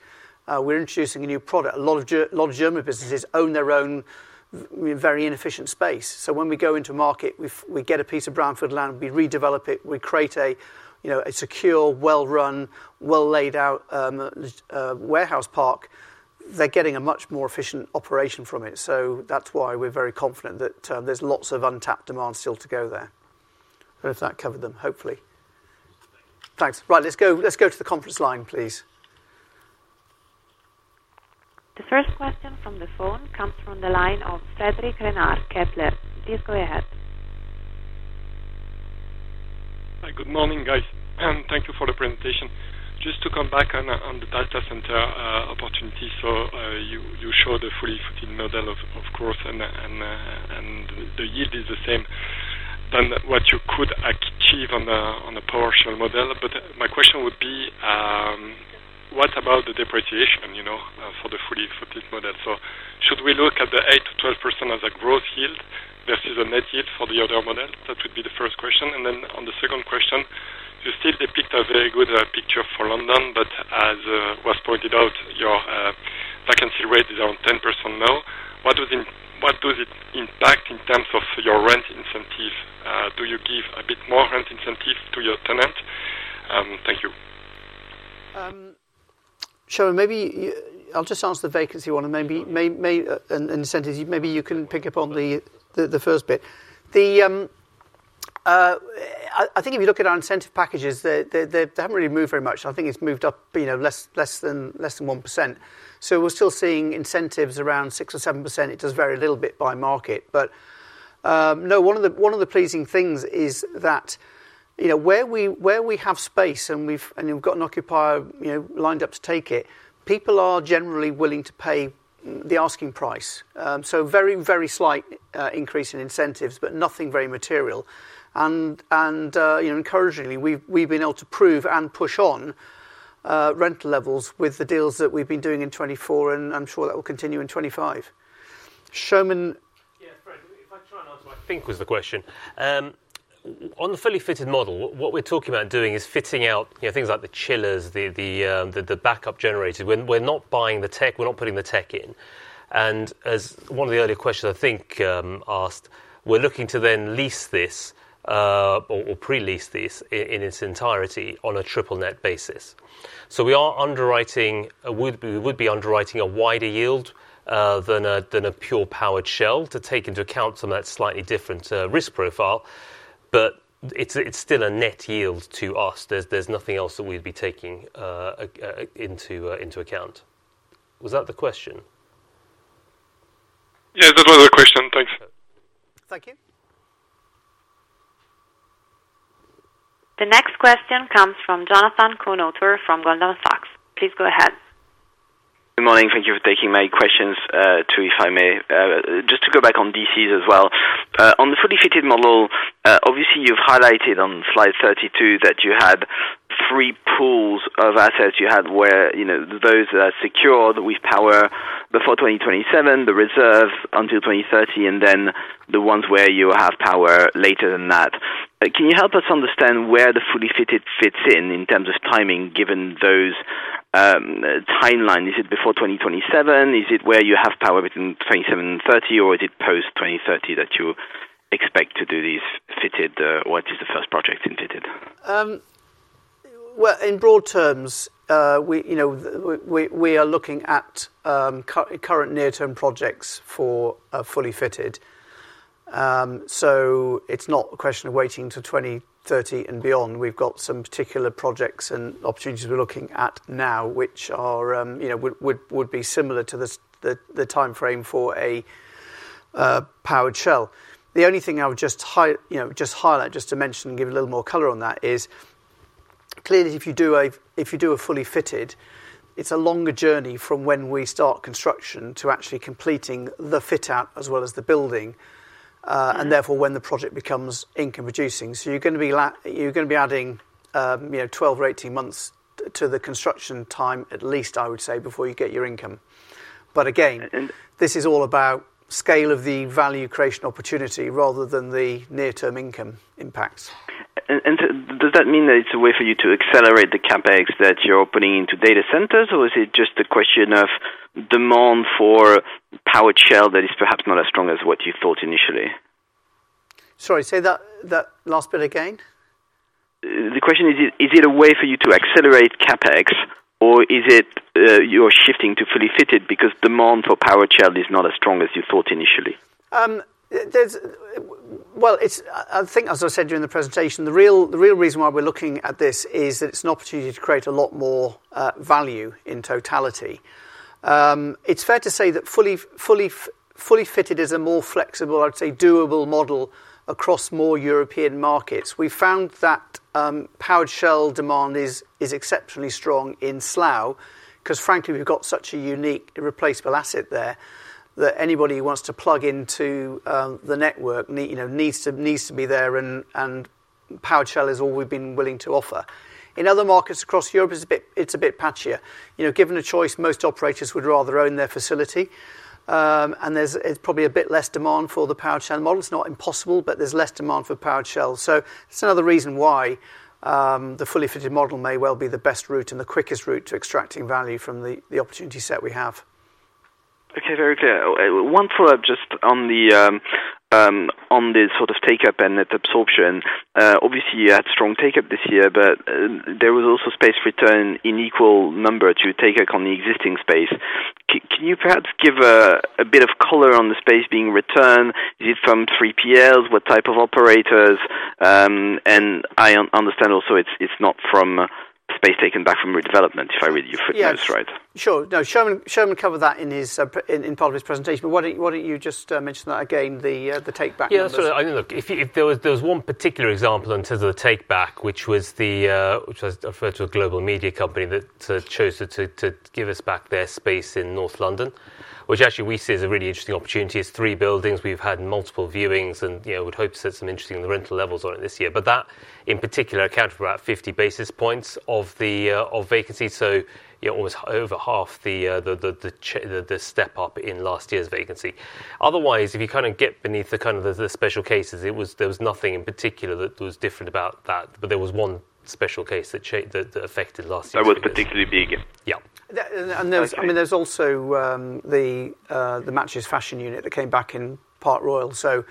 Speaker 4: We're introducing a new product. A lot of German businesses own their own very inefficient space. So when we go into market, we get a piece of brownfield land, we redevelop it, we create a secure, well-run, well-laid-out warehouse park, they're getting a much more efficient operation from it. So that's why we're very confident that there's lots of untapped demand still to go there. I hope that covered them, hopefully. Thanks. Right. Let's go to the conference line, please. The first question from the phone comes from the line of Frédéric Renard. Please go ahead. Hi. Good morning, guys. Thank you for the presentation. Just to come back on the data center opportunity. So you showed a fully fitted model, of course, and the yield is the same than what you could achieve on a powered shell model. But my question would be, what about the depreciation for the fully fitted model? Should we look at the 8%-12% as a gross yield versus a net yield for the other model? That would be the first question. And then on the second question, you still depict a very good picture for London, but as was pointed out, your vacancy rate is around 10% now. What does it impact in terms of your rent incentive? Do you give a bit more rent incentive to your tenant? Thank you. Soumen, maybe I'll just answer the vacancy one and maybe an incentive. Maybe you can pick up on the first bit. I think if you look at our incentive packages, they haven't really moved very much. I think it's moved up less than 1%. So we're still seeing incentives around 6% or 7%. It does vary a little bit by market. But no, one of the pleasing things is that where we have space and we've got an occupier lined up to take it, people are generally willing to pay the asking price. So very, very slight increase in incentives, but nothing very material. And encouragingly, we've been able to prove and push on rental levels with the deals that we've been doing in 2024, and I'm sure that will continue in 2025. Soumen. Yes, Fred. If I try and answer what I think was the question. On the fully fitted model, what we're talking about doing is fitting out things like the chillers, the backup generators. We're not buying the tech. We're not putting the tech in. And as one of the earlier questions, I think, asked, we're looking to then lease this or pre-lease this in its entirety on a triple-net basis. So we are underwriting a wider yield than a pure powered shell to take into account some of that slightly different risk profile. But it's still a net yield to us. There's nothing else that we'd be taking into account. Was that the question? Yes, that was the question. Thanks. Thank you. The next question comes from Jonathan Kownator from Goldman Sachs. Please go ahead. Good morning. Thank you for taking my questions, too, if I may. Just to go back on DCs as well. On the fully fitted model, obviously, you've highlighted on slide 32 that you had three pools of assets you had where those are secured with power before 2027, the reserves until 2030, and then the ones where you have power later than that. Can you help us understand where the fully fitted fits in in terms of timing given those timelines? Is it before 2027? Is it where you have power between 2027 and 2030, or is it post-2030 that you expect to do these fitted? What is the first project in fitted? Well, in broad terms, we are looking at current near-term projects for fully fitted. So it's not a question of waiting to 2030 and beyond. We've got some particular projects and opportunities we're looking at now which would be similar to the timeframe for a powered shell. The only thing I would just highlight, just to mention and give a little more color on that is clearly, if you do a fully fitted, it's a longer journey from when we start construction to actually completing the fit-out as well as the building, and therefore when the project becomes income-producing. So you're going to be adding 12 or 18 months to the construction time, at least, I would say, before you get your income. But again, this is all about scale of the value creation opportunity rather than the near-term income impacts. And does that mean that it's a way for you to accelerate the CapEx that you're putting into data centers, or is it just a question of demand for powered shell that is perhaps not as strong as what you thought initially? Sorry, say that last bit again. The question is, is it a way for you to accelerate CapEx, or is it you're shifting to fully fitted because demand for powered shell is not as strong as you thought initially? I think, as I said during the presentation, the real reason why we're looking at this is that it's an opportunity to create a lot more value in totality. It's fair to say that fully fitted is a more flexible, I'd say, doable model across more European markets. We've found that powered shell demand is exceptionally strong in Slough because, frankly, we've got such a unique replaceable asset there that anybody who wants to plug into the network needs to be there, and powered shell is all we've been willing to offer. In other markets across Europe, it's a bit patchier. Given a choice, most operators would rather own their facility. And there's probably a bit less demand for the powered shell model. It's not impossible, but there's less demand for powered shell. So it's another reason why the fully fitted model may well be the best route and the quickest route to extracting value from the opportunity set we have. Okay. Very clear. One follow-up just on the sort of take-up and its absorption. Obviously, you had strong take-up this year, but there was also space return in equal number to take-up on the existing space. Can you perhaps give a bit of color on the space being returned? Is it from 3PLs? What type of operators? And I understand also it's not from space taken back from redevelopment, if I read your footnotes, right? Yeah. Sure. No. Soumen covered that in part of his presentation. But why don't you just mention that again, the take-back? Yeah. Sort of. I mean, look, if there was one particular example in terms of the take-back, which I referred to a global media company that chose to give us back their space in North London, which actually we see as a really interesting opportunity. It's three buildings. We've had multiple viewings and would hope to set some interesting rental levels on it this year. But that, in particular, accounted for about 50 basis points of vacancy. So almost over half the step-up in last year's vacancy. Otherwise, if you kind of get beneath the kind of special cases, there was nothing in particular that was different about that. But there was one special case that affected last year. That was particularly big. Yeah. And I mean, there's also the MatchesFashion unit that came back in Park Royal. So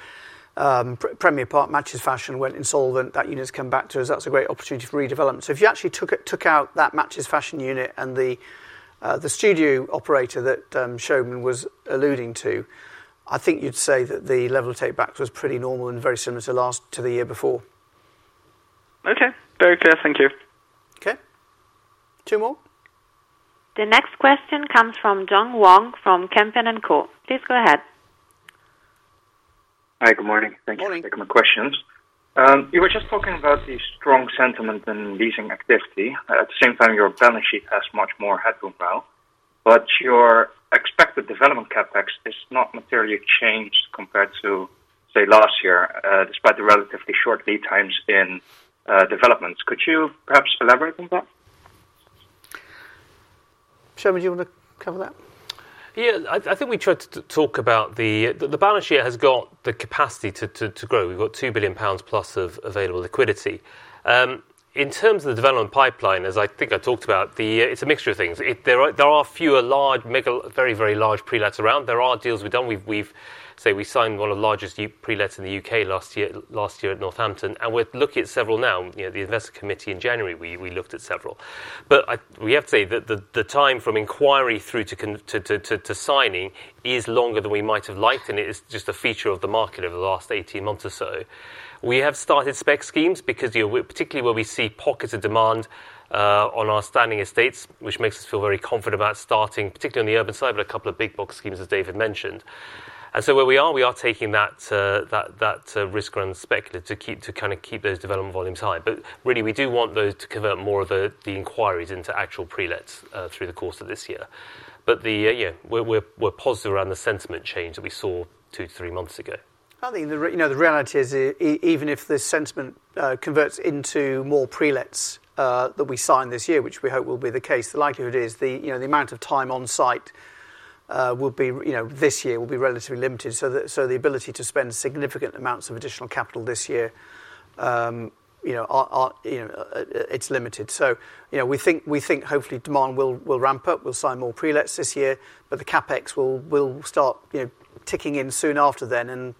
Speaker 4: Premier Park MatchersFashion went insolvent. That unit's come back to us. That's a great opportunity for redevelopment. So if you actually took out that Matches Fashion unit and the studio operator that Soumen was alluding to, I think you'd say that the level of take-back was pretty normal and very similar to last to the year before. Okay. Very clear. Thank you. Okay. Two more. The next question comes from Zheng Wang from Kempen & Co. Please go ahead. Hi. Good morning. Thank you for taking my questions. You were just talking about the strong sentiment and leasing activity. At the same time, your balance sheet has much more headroom now. But your expected development CapEx is not materially changed compared to, say, last year, despite the relatively short lead times in developments. Could you perhaps elaborate on that? Soumen, do you want to cover that? Yeah. I think we tried to talk about, the balance sheet has got the capacity to grow. We've got 2 billion pounds plus of available liquidity. In terms of the development pipeline, as I think I talked about, it's a mixture of things. There are fewer large, very, very large prelets around. There are deals we've done. We've, say, we signed one of the largest prelets in the UK last year at Northampton. And we're looking at several now. The investor committee in January, we looked at several. But we have to say that the time from inquiry through to signing is longer than we might have liked. And it is just a feature of the market over the last 18 months or so. We have started spec schemes because particularly where we see pockets of demand on our standing estates, which makes us feel very confident about starting, particularly on the urban side, but a couple of big box schemes as David mentioned, and so where we are, we are taking that risk-ground spec to kind of keep those development volumes high, but really, we do want those to convert more of the inquiries into actual prelets through the course of this year, but we're positive around the sentiment change that we saw two to three months ago. I think the reality is, even if the sentiment converts into more prelets that we sign this year, which we hope will be the case, the likelihood is the amount of time on site this year will be relatively limited, so the ability to spend significant amounts of additional capital this year, it's limited. So we think hopefully demand will ramp up. We'll sign more pre-lets this year. But the CapEx will start ticking in soon after then, and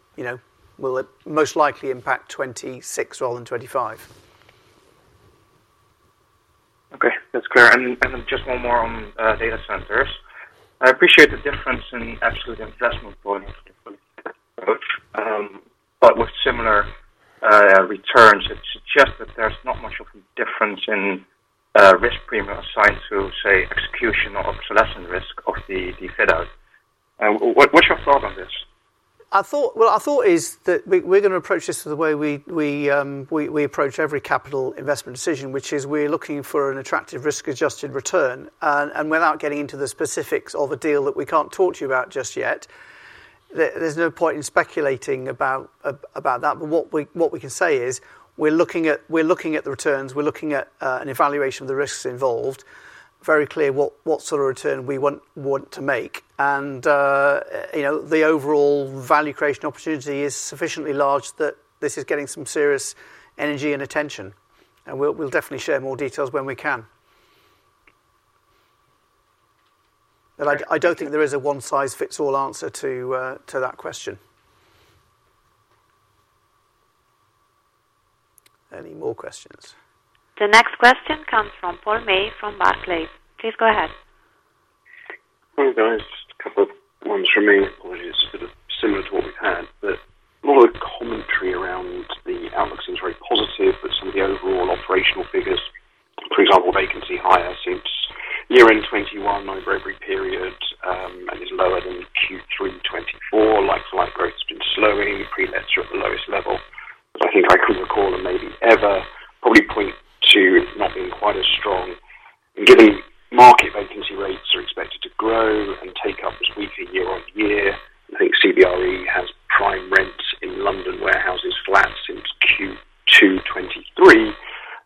Speaker 4: we'll most likely impact 2026 rather than 2025. Okay. That's clear. And then just one more on data centers. I appreciate the difference in absolute investment volume for the fully fitted approach, but with similar returns. It suggests that there's not much of a difference in risk premium assigned to, say, execution or obsolescence risk of the fit-out. What's your thought on this? Well, my thought is that we're going to approach this the way we approach every capital investment decision, which is we're looking for an attractive risk-adjusted return. And without getting into the specifics of a deal that we can't talk to you about just yet, there's no point in speculating about that. But what we can say is we're looking at the returns. We're looking at an evaluation of the risks involved, very clear what sort of return we want to make. And the overall value creation opportunity is sufficiently large that this is getting some serious energy and attention. And we'll definitely share more details when we can. But I don't think there is a one-size-fits-all answer to that question. Any more questions? The next question comes from Paul May from Barclays. Please go ahead. Paul, just a couple of ones from me. It's a bit similar to what we've had. But a lot of the commentary around the outlook seems very positive, but some of the overall operational figures, for example, vacancy higher since year-end 2021, over every period, and is lower than Q3 2024. Like-for-like growth has been slowing. Pre-lets are at the lowest level. I think I can recall them maybe ever, probably point to not being quite as strong. Given market vacancy rates are expected to grow and take-up is weak year on year, I think CBRE has prime rents in London warehouses flat since Q2 2023.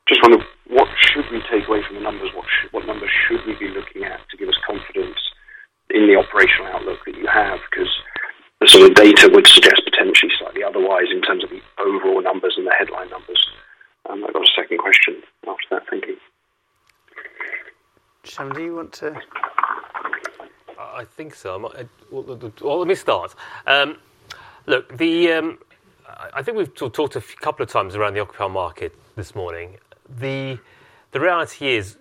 Speaker 4: Just wondered, what should we take away from the numbers? What numbers should we be looking at to give us confidence in the operational outlook that you have? Because some of the data would suggest potentially slightly otherwise in terms of the overall numbers and the headline numbers. I've got a second question after that. Thank you. Soumen, do you want to? I think so. Well, let me start. Look, I think we've sort of talked a couple of times around the occupied market this morning. The reality is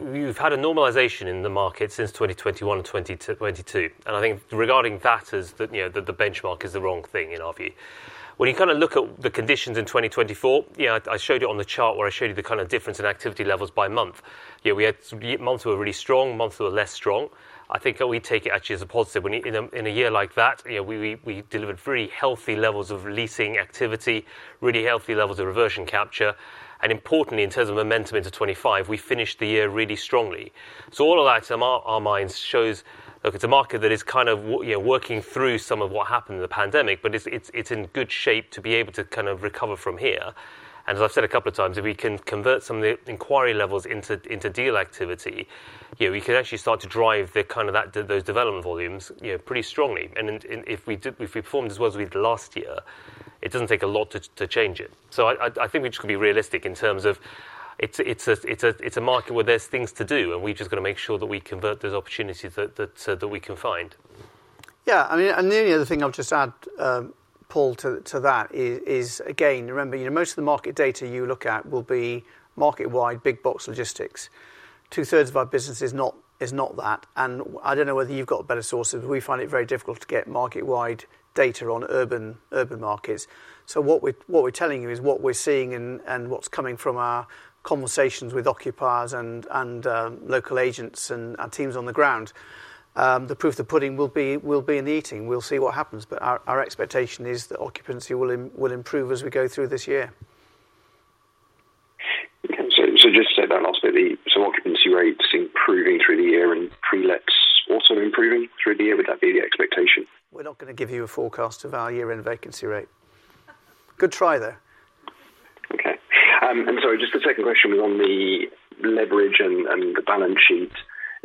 Speaker 4: we've had a normalization in the market since 2021 and 2022. I think regarding that, the benchmark is the wrong thing in our view. When you kind of look at the conditions in 2024, I showed it on the chart where I showed you the kind of difference in activity levels by month. We had months that were really strong, months that were less strong. I think we take it actually as a positive. In a year like that, we delivered very healthy levels of leasing activity, really healthy levels of reversion capture. And importantly, in terms of momentum into 2025, we finished the year really strongly. So all of that, to our minds, shows, look, it's a market that is kind of working through some of what happened in the pandemic, but it's in good shape to be able to kind of recover from here. And as I've said a couple of times, if we can convert some of the inquiry levels into deal activity, we can actually start to drive kind of those development volumes pretty strongly. And if we performed as well as we did last year, it doesn't take a lot to change it. So I think we just could be realistic in terms of it's a market where there's things to do, and we've just got to make sure that we convert those opportunities that we can find. Yeah. I mean, and the only other thing I'll just add, Paul, to that is, again, remember, most of the market data you look at will be market-wide big box logistics. Two-thirds of our business is not that. And I don't know whether you've got better sources. We find it very difficult to get market-wide data on urban markets. So what we're telling you is what we're seeing and what's coming from our conversations with occupiers and local agents and our teams on the ground. The proof of the pudding will be in the eating. We'll see what happens. But our expectation is that occupancy will improve as we go through this year. Okay. So just to say that last bit, some occupancy rates improving through the year and prelets also improving through the year. Would that be the expectation? We're not going to give you a forecast of our year-end vacancy rate. Good try, though. Okay. And sorry, just the second question was on the leverage and the balance sheet.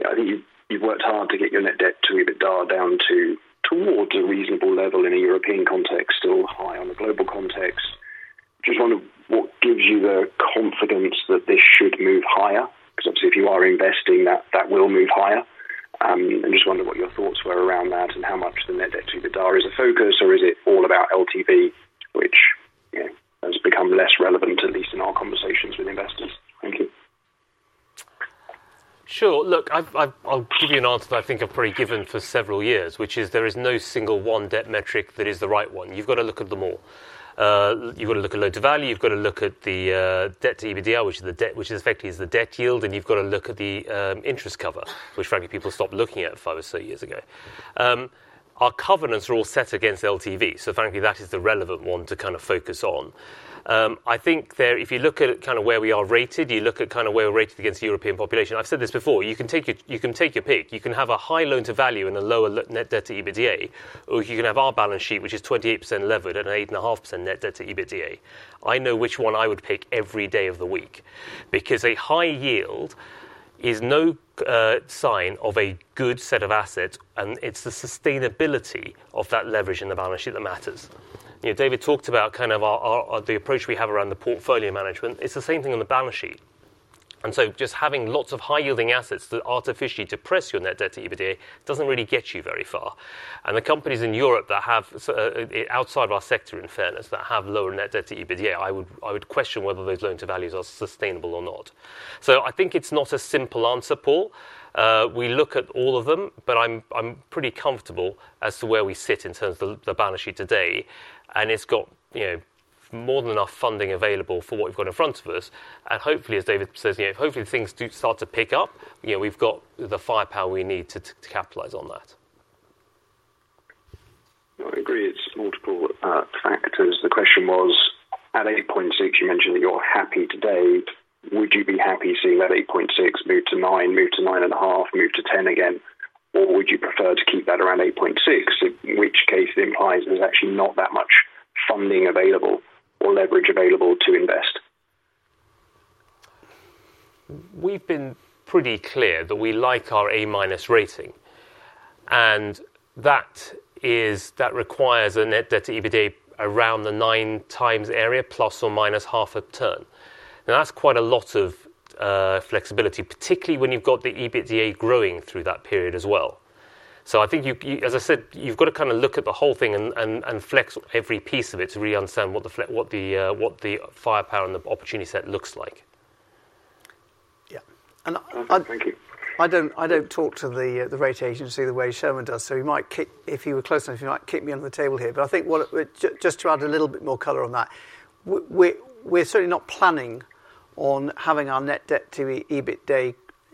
Speaker 4: I think you've worked hard to get your net debt to EBITDA down towards a reasonable level in a European context or high on a global context. Just wondered, what gives you the confidence that this should move higher? Because obviously, if you are investing, that will move higher. And just wondered what your thoughts were around that and how much the net debt to the EBITDA is a focus, or is it all about LTV, which has become less relevant, at least in our conversations with investors? Thank you. Sure. Look, I'll give you an answer that I think I've probably given for several years, which is there is no single one debt metric that is the right one. You've got to look at them all. You've got to look at loan to value. You've got to look at the debt to EBITDA, which effectively is the debt yield. And you've got to look at the interest cover, which frankly, people stopped looking at five or so years ago. Our covenants are all set against LTV. So frankly, that is the relevant one to kind of focus on. I think if you look at kind of where we are rated, you look at kind of where we're rated against the European population. I've said this before. You can take your pick. You can have a high loan-to-value and a lower net debt to EBITDA, or you can have our balance sheet, which is 28% levered and an 8.5% net debt to EBITDA. I know which one I would pick every day of the week because a high yield is no sign of a good set of assets, and it's the sustainability of that leverage in the balance sheet that matters. David talked about kind of the approach we have around the portfolio management. It's the same thing on the balance sheet. And so just having lots of high-yielding assets that artificially depress your net debt to EBITDA doesn't really get you very far. And the companies in Europe that have, outside of our sector in fairness, that have lower net debt to EBITDA, I would question whether those loan-to-values are sustainable or not. So I think it's not a simple answer, Paul. We look at all of them, but I'm pretty comfortable as to where we sit in terms of the balance sheet today. And it's got more than enough funding available for what we've got in front of us. And hopefully, as David says, hopefully, things do start to pick up. We've got the firepower we need to capitalize on that. I agree. It's multiple factors. The question was, at 8.6, you mentioned that you're happy today. Would you be happy seeing that 8.6 move to 9, move to 9.5, move to 10 again? Or would you prefer to keep that around 8.6, in which case it implies there's actually not that much funding available or leverage available to invest? We've been pretty clear that we like our A rating. And that requires a net debt to EBITDA around the nine times area, plus or minus half a turn. Now, that's quite a lot of flexibility, particularly when you've got the EBITDA growing through that period as well. So I think, as I said, you've got to kind of look at the whole thing and flex every piece of it to really understand what the firepower and the opportunity set looks like. Yeah. And I don't talk to the rating agency the way Soumen does. So if you were close enough, you might kick me under the table here. But I think just to add a little bit more color on that, we're certainly not planning on having our net debt to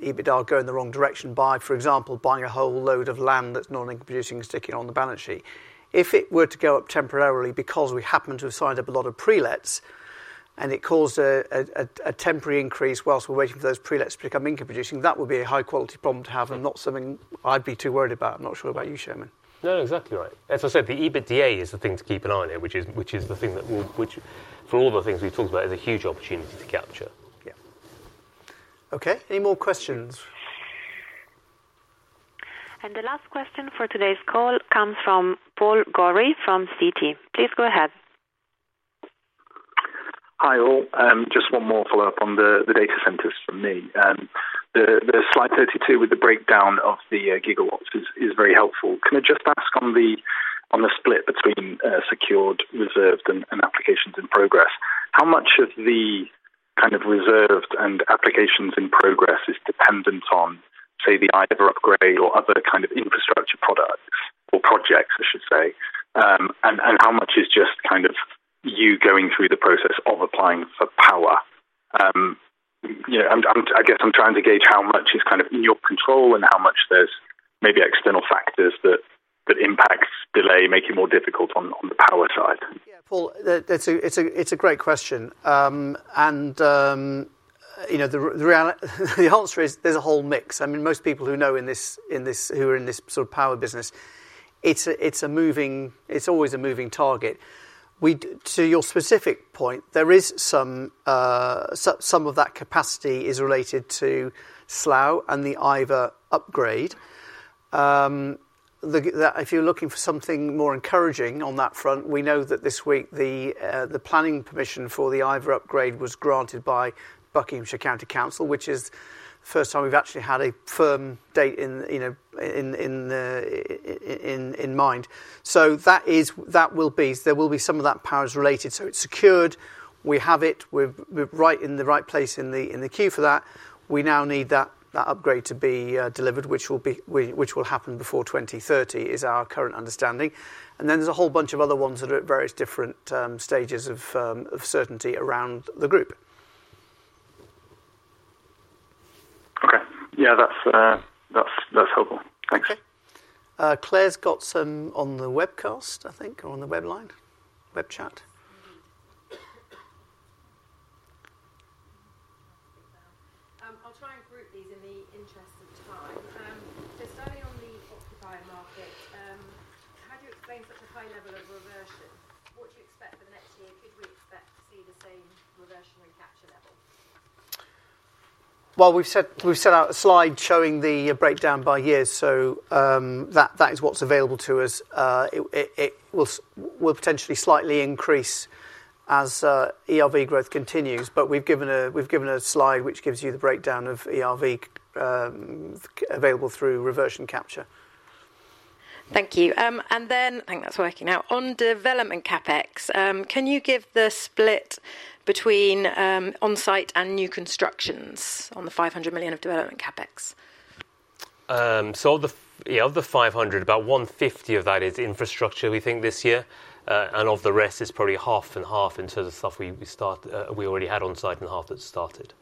Speaker 4: EBITDA go in the wrong direction by, for example, buying a whole load of land that's non-incrementally producing and sticking it on the balance sheet. If it were to go up temporarily because we happen to have signed up a lot of prelets and it caused a temporary increase while we're waiting for those prelets to become incrementally producing, that would be a high-quality problem to have and not something I'd be too worried about. I'm not sure about you, Soumen. No, no, exactly right. As I said, the EBITDA is the thing to keep an eye on here, which is the thing that, for all the things we've talked about, is a huge opportunity to capture. Yeah. Okay. Any more questions? And the last question for today's call comes from Paul Gorrie from Citi Please go ahead. Hi, all. Just one more follow-up on the data centers from me. The slide 32 with the breakdown of the gigawatts is very helpful. Can I just ask on the split between secured, reserved, and applications in progress, how much of the kind of reserved and applications in progress is dependent on, say, the Iver upgrade or other kind of infrastructure products or projects, I should say? And how much is just kind of you going through the process of applying for power? I guess I'm trying to gauge how much is kind of in your control and how much there's maybe external factors that impact delay, make it more difficult on the power side. Yeah, Paul, it's a great question, and the answer is there's a whole mix. I mean, most people who know in this who are in this sort of power business, it's always a moving target. To your specific point, some of that capacity is related to Slough and the Iver upgrade. If you're looking for something more encouraging on that front, we know that this week the planning permission for the Iver upgrade was granted by Buckinghamshire Council, which is the first time we've actually had a firm date in mind. So that will be some of that power is related. So it's secured. We have it. We're right in the right place in the queue for that. We now need that upgrade to be delivered, which will happen before 2030, is our current understanding, and then there's a whole bunch of other ones that are at various different stages of certainty around the group. Okay. Yeah, that's helpful. Thanks. Okay. Claire's got some on the webcast, I think, or on the webline, web chat. I'll try and group these in the interest of time, so starting on the occupier market, how do you explain such a high level of reversion? What do you expect for the next year? Could we expect to see the same reversion recapture level? Well, we've sent out a slide showing the breakdown by year, so that is what's available to us. It will potentially slightly increase as ERV growth continues. But we've given a slide which gives you the breakdown of ERV available through reversion capture. Thank you. And then I think that's working out. On development CapEx, can you give the split between on-site and new constructions on the 500 million of development CapEx? So of the 500 million, about 150 million of that is infrastructure, we think, this year. And of the rest, it's probably half and half in terms of stuff we already had on-site and half that's started.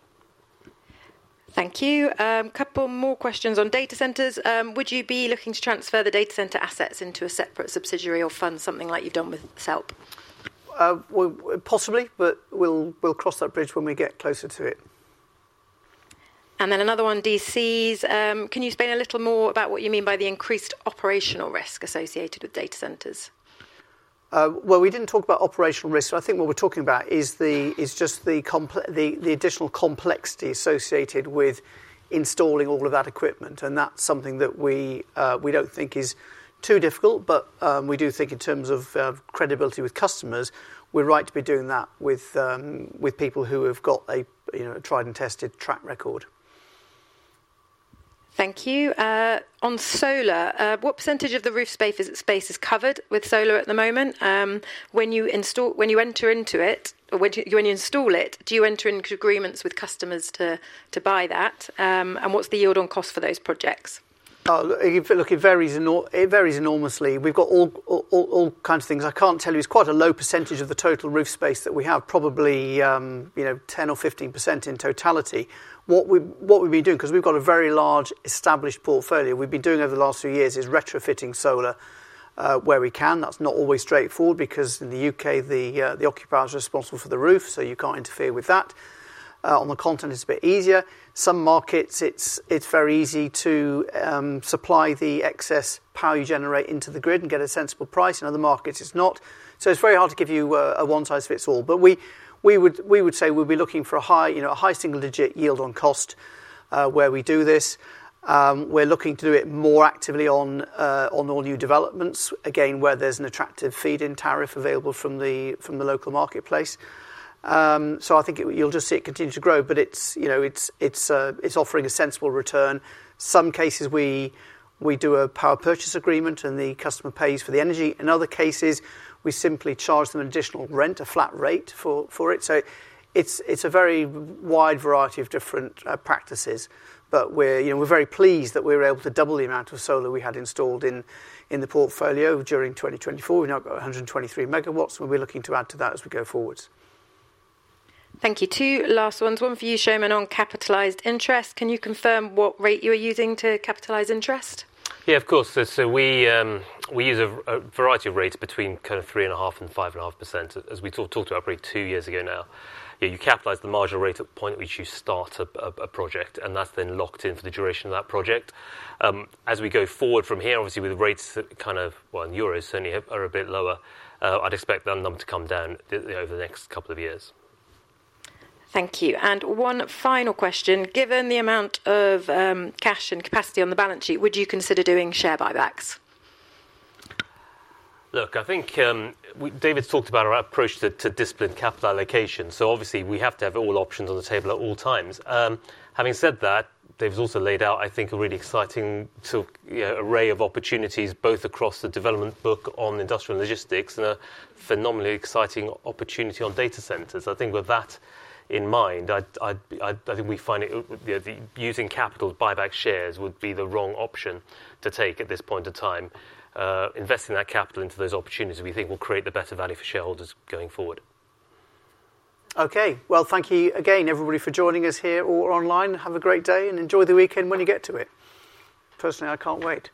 Speaker 4: Thank you. A couple more questions on data centers. Would you be looking to transfer the data center assets into a separate subsidiary or fund something like you've done with SELP? Possibly, but we'll cross that bridge when we get closer to it. And then another one, DCs. Can you explain a little more about what you mean by the increased operational risk associated with data centers? We didn't talk about operational risk. I think what we're talking about is just the additional complexity associated with installing all of that equipment, and that's something that we don't think is too difficult, but we do think in terms of credibility with customers, we're right to be doing that with people who have got a tried and tested track record. Thank you. On solar, what percentage of the roof space is covered with solar at the moment? When you enter into it, when you install it, do you enter into agreements with customers to buy that, and what's the yield on cost for those projects? Look, it varies enormously. We've got all kinds of things. I can't tell you. It's quite a low percentage of the total roof space that we have, probably 10% or 15% in totality. What we've been doing, because we've got a very large established portfolio, we've been doing over the last few years is retrofitting solar where we can. That's not always straightforward because in the UK, the occupier is responsible for the roof, so you can't interfere with that. On the continent, it's a bit easier. Some markets, it's very easy to supply the excess power you generate into the grid and get a sensible price. In other markets, it's not. So it's very hard to give you a one-size-fits-all. But we would say we'll be looking for a high single-digit yield on cost where we do this. We're looking to do it more actively on all new developments, again, where there's an attractive feed-in tariff available from the local marketplace. So I think you'll just see it continue to grow, but it's offering a sensible return. Some cases, we do a power purchase agreement, and the customer pays for the energy. In other cases, we simply charge them an additional rent, a flat rate for it. So it's a very wide variety of different practices. But we're very pleased that we were able to double the amount of solar we had installed in the portfolio during 2024. We've now got 123 megawatts, and we'll be looking to add to that as we go forwards. Thank you. Two last ones. One for you, Soumen, on capitalized interest. Can you confirm what rate you are using to capitalize interest? Yeah, of course. So we use a variety of rates between kind of 3.5% and 5.5%. As we talked about probably two years ago now, you capitalize the marginal rate at the point at which you start a project, and that's then locked in for the duration of that project. As we go forward from here, obviously, with rates kind of, well, in euros certainly are a bit lower, I'd expect that number to come down over the next couple of years. Thank you. And one final question. Given the amount of cash and capacity on the balance sheet, would you consider doing share buybacks? Look, I think David's talked about our approach to disciplined capital allocation. So obviously, we have to have all options on the table at all times. Having said that, David's also laid out, I think, a really exciting array of opportunities both across the development book on industrial logistics and a phenomenally exciting opportunity on data centers. I think with that in mind, I think we find that using capital to buyback shares would be the wrong option to take at this point in time. Investing that capital into those opportunities, we think, will create the better value for shareholders going forward. Okay. Well, thank you again, everybody, for joining us here or online. Have a great day and enjoy the weekend when you get to it. Personally, I can't wait.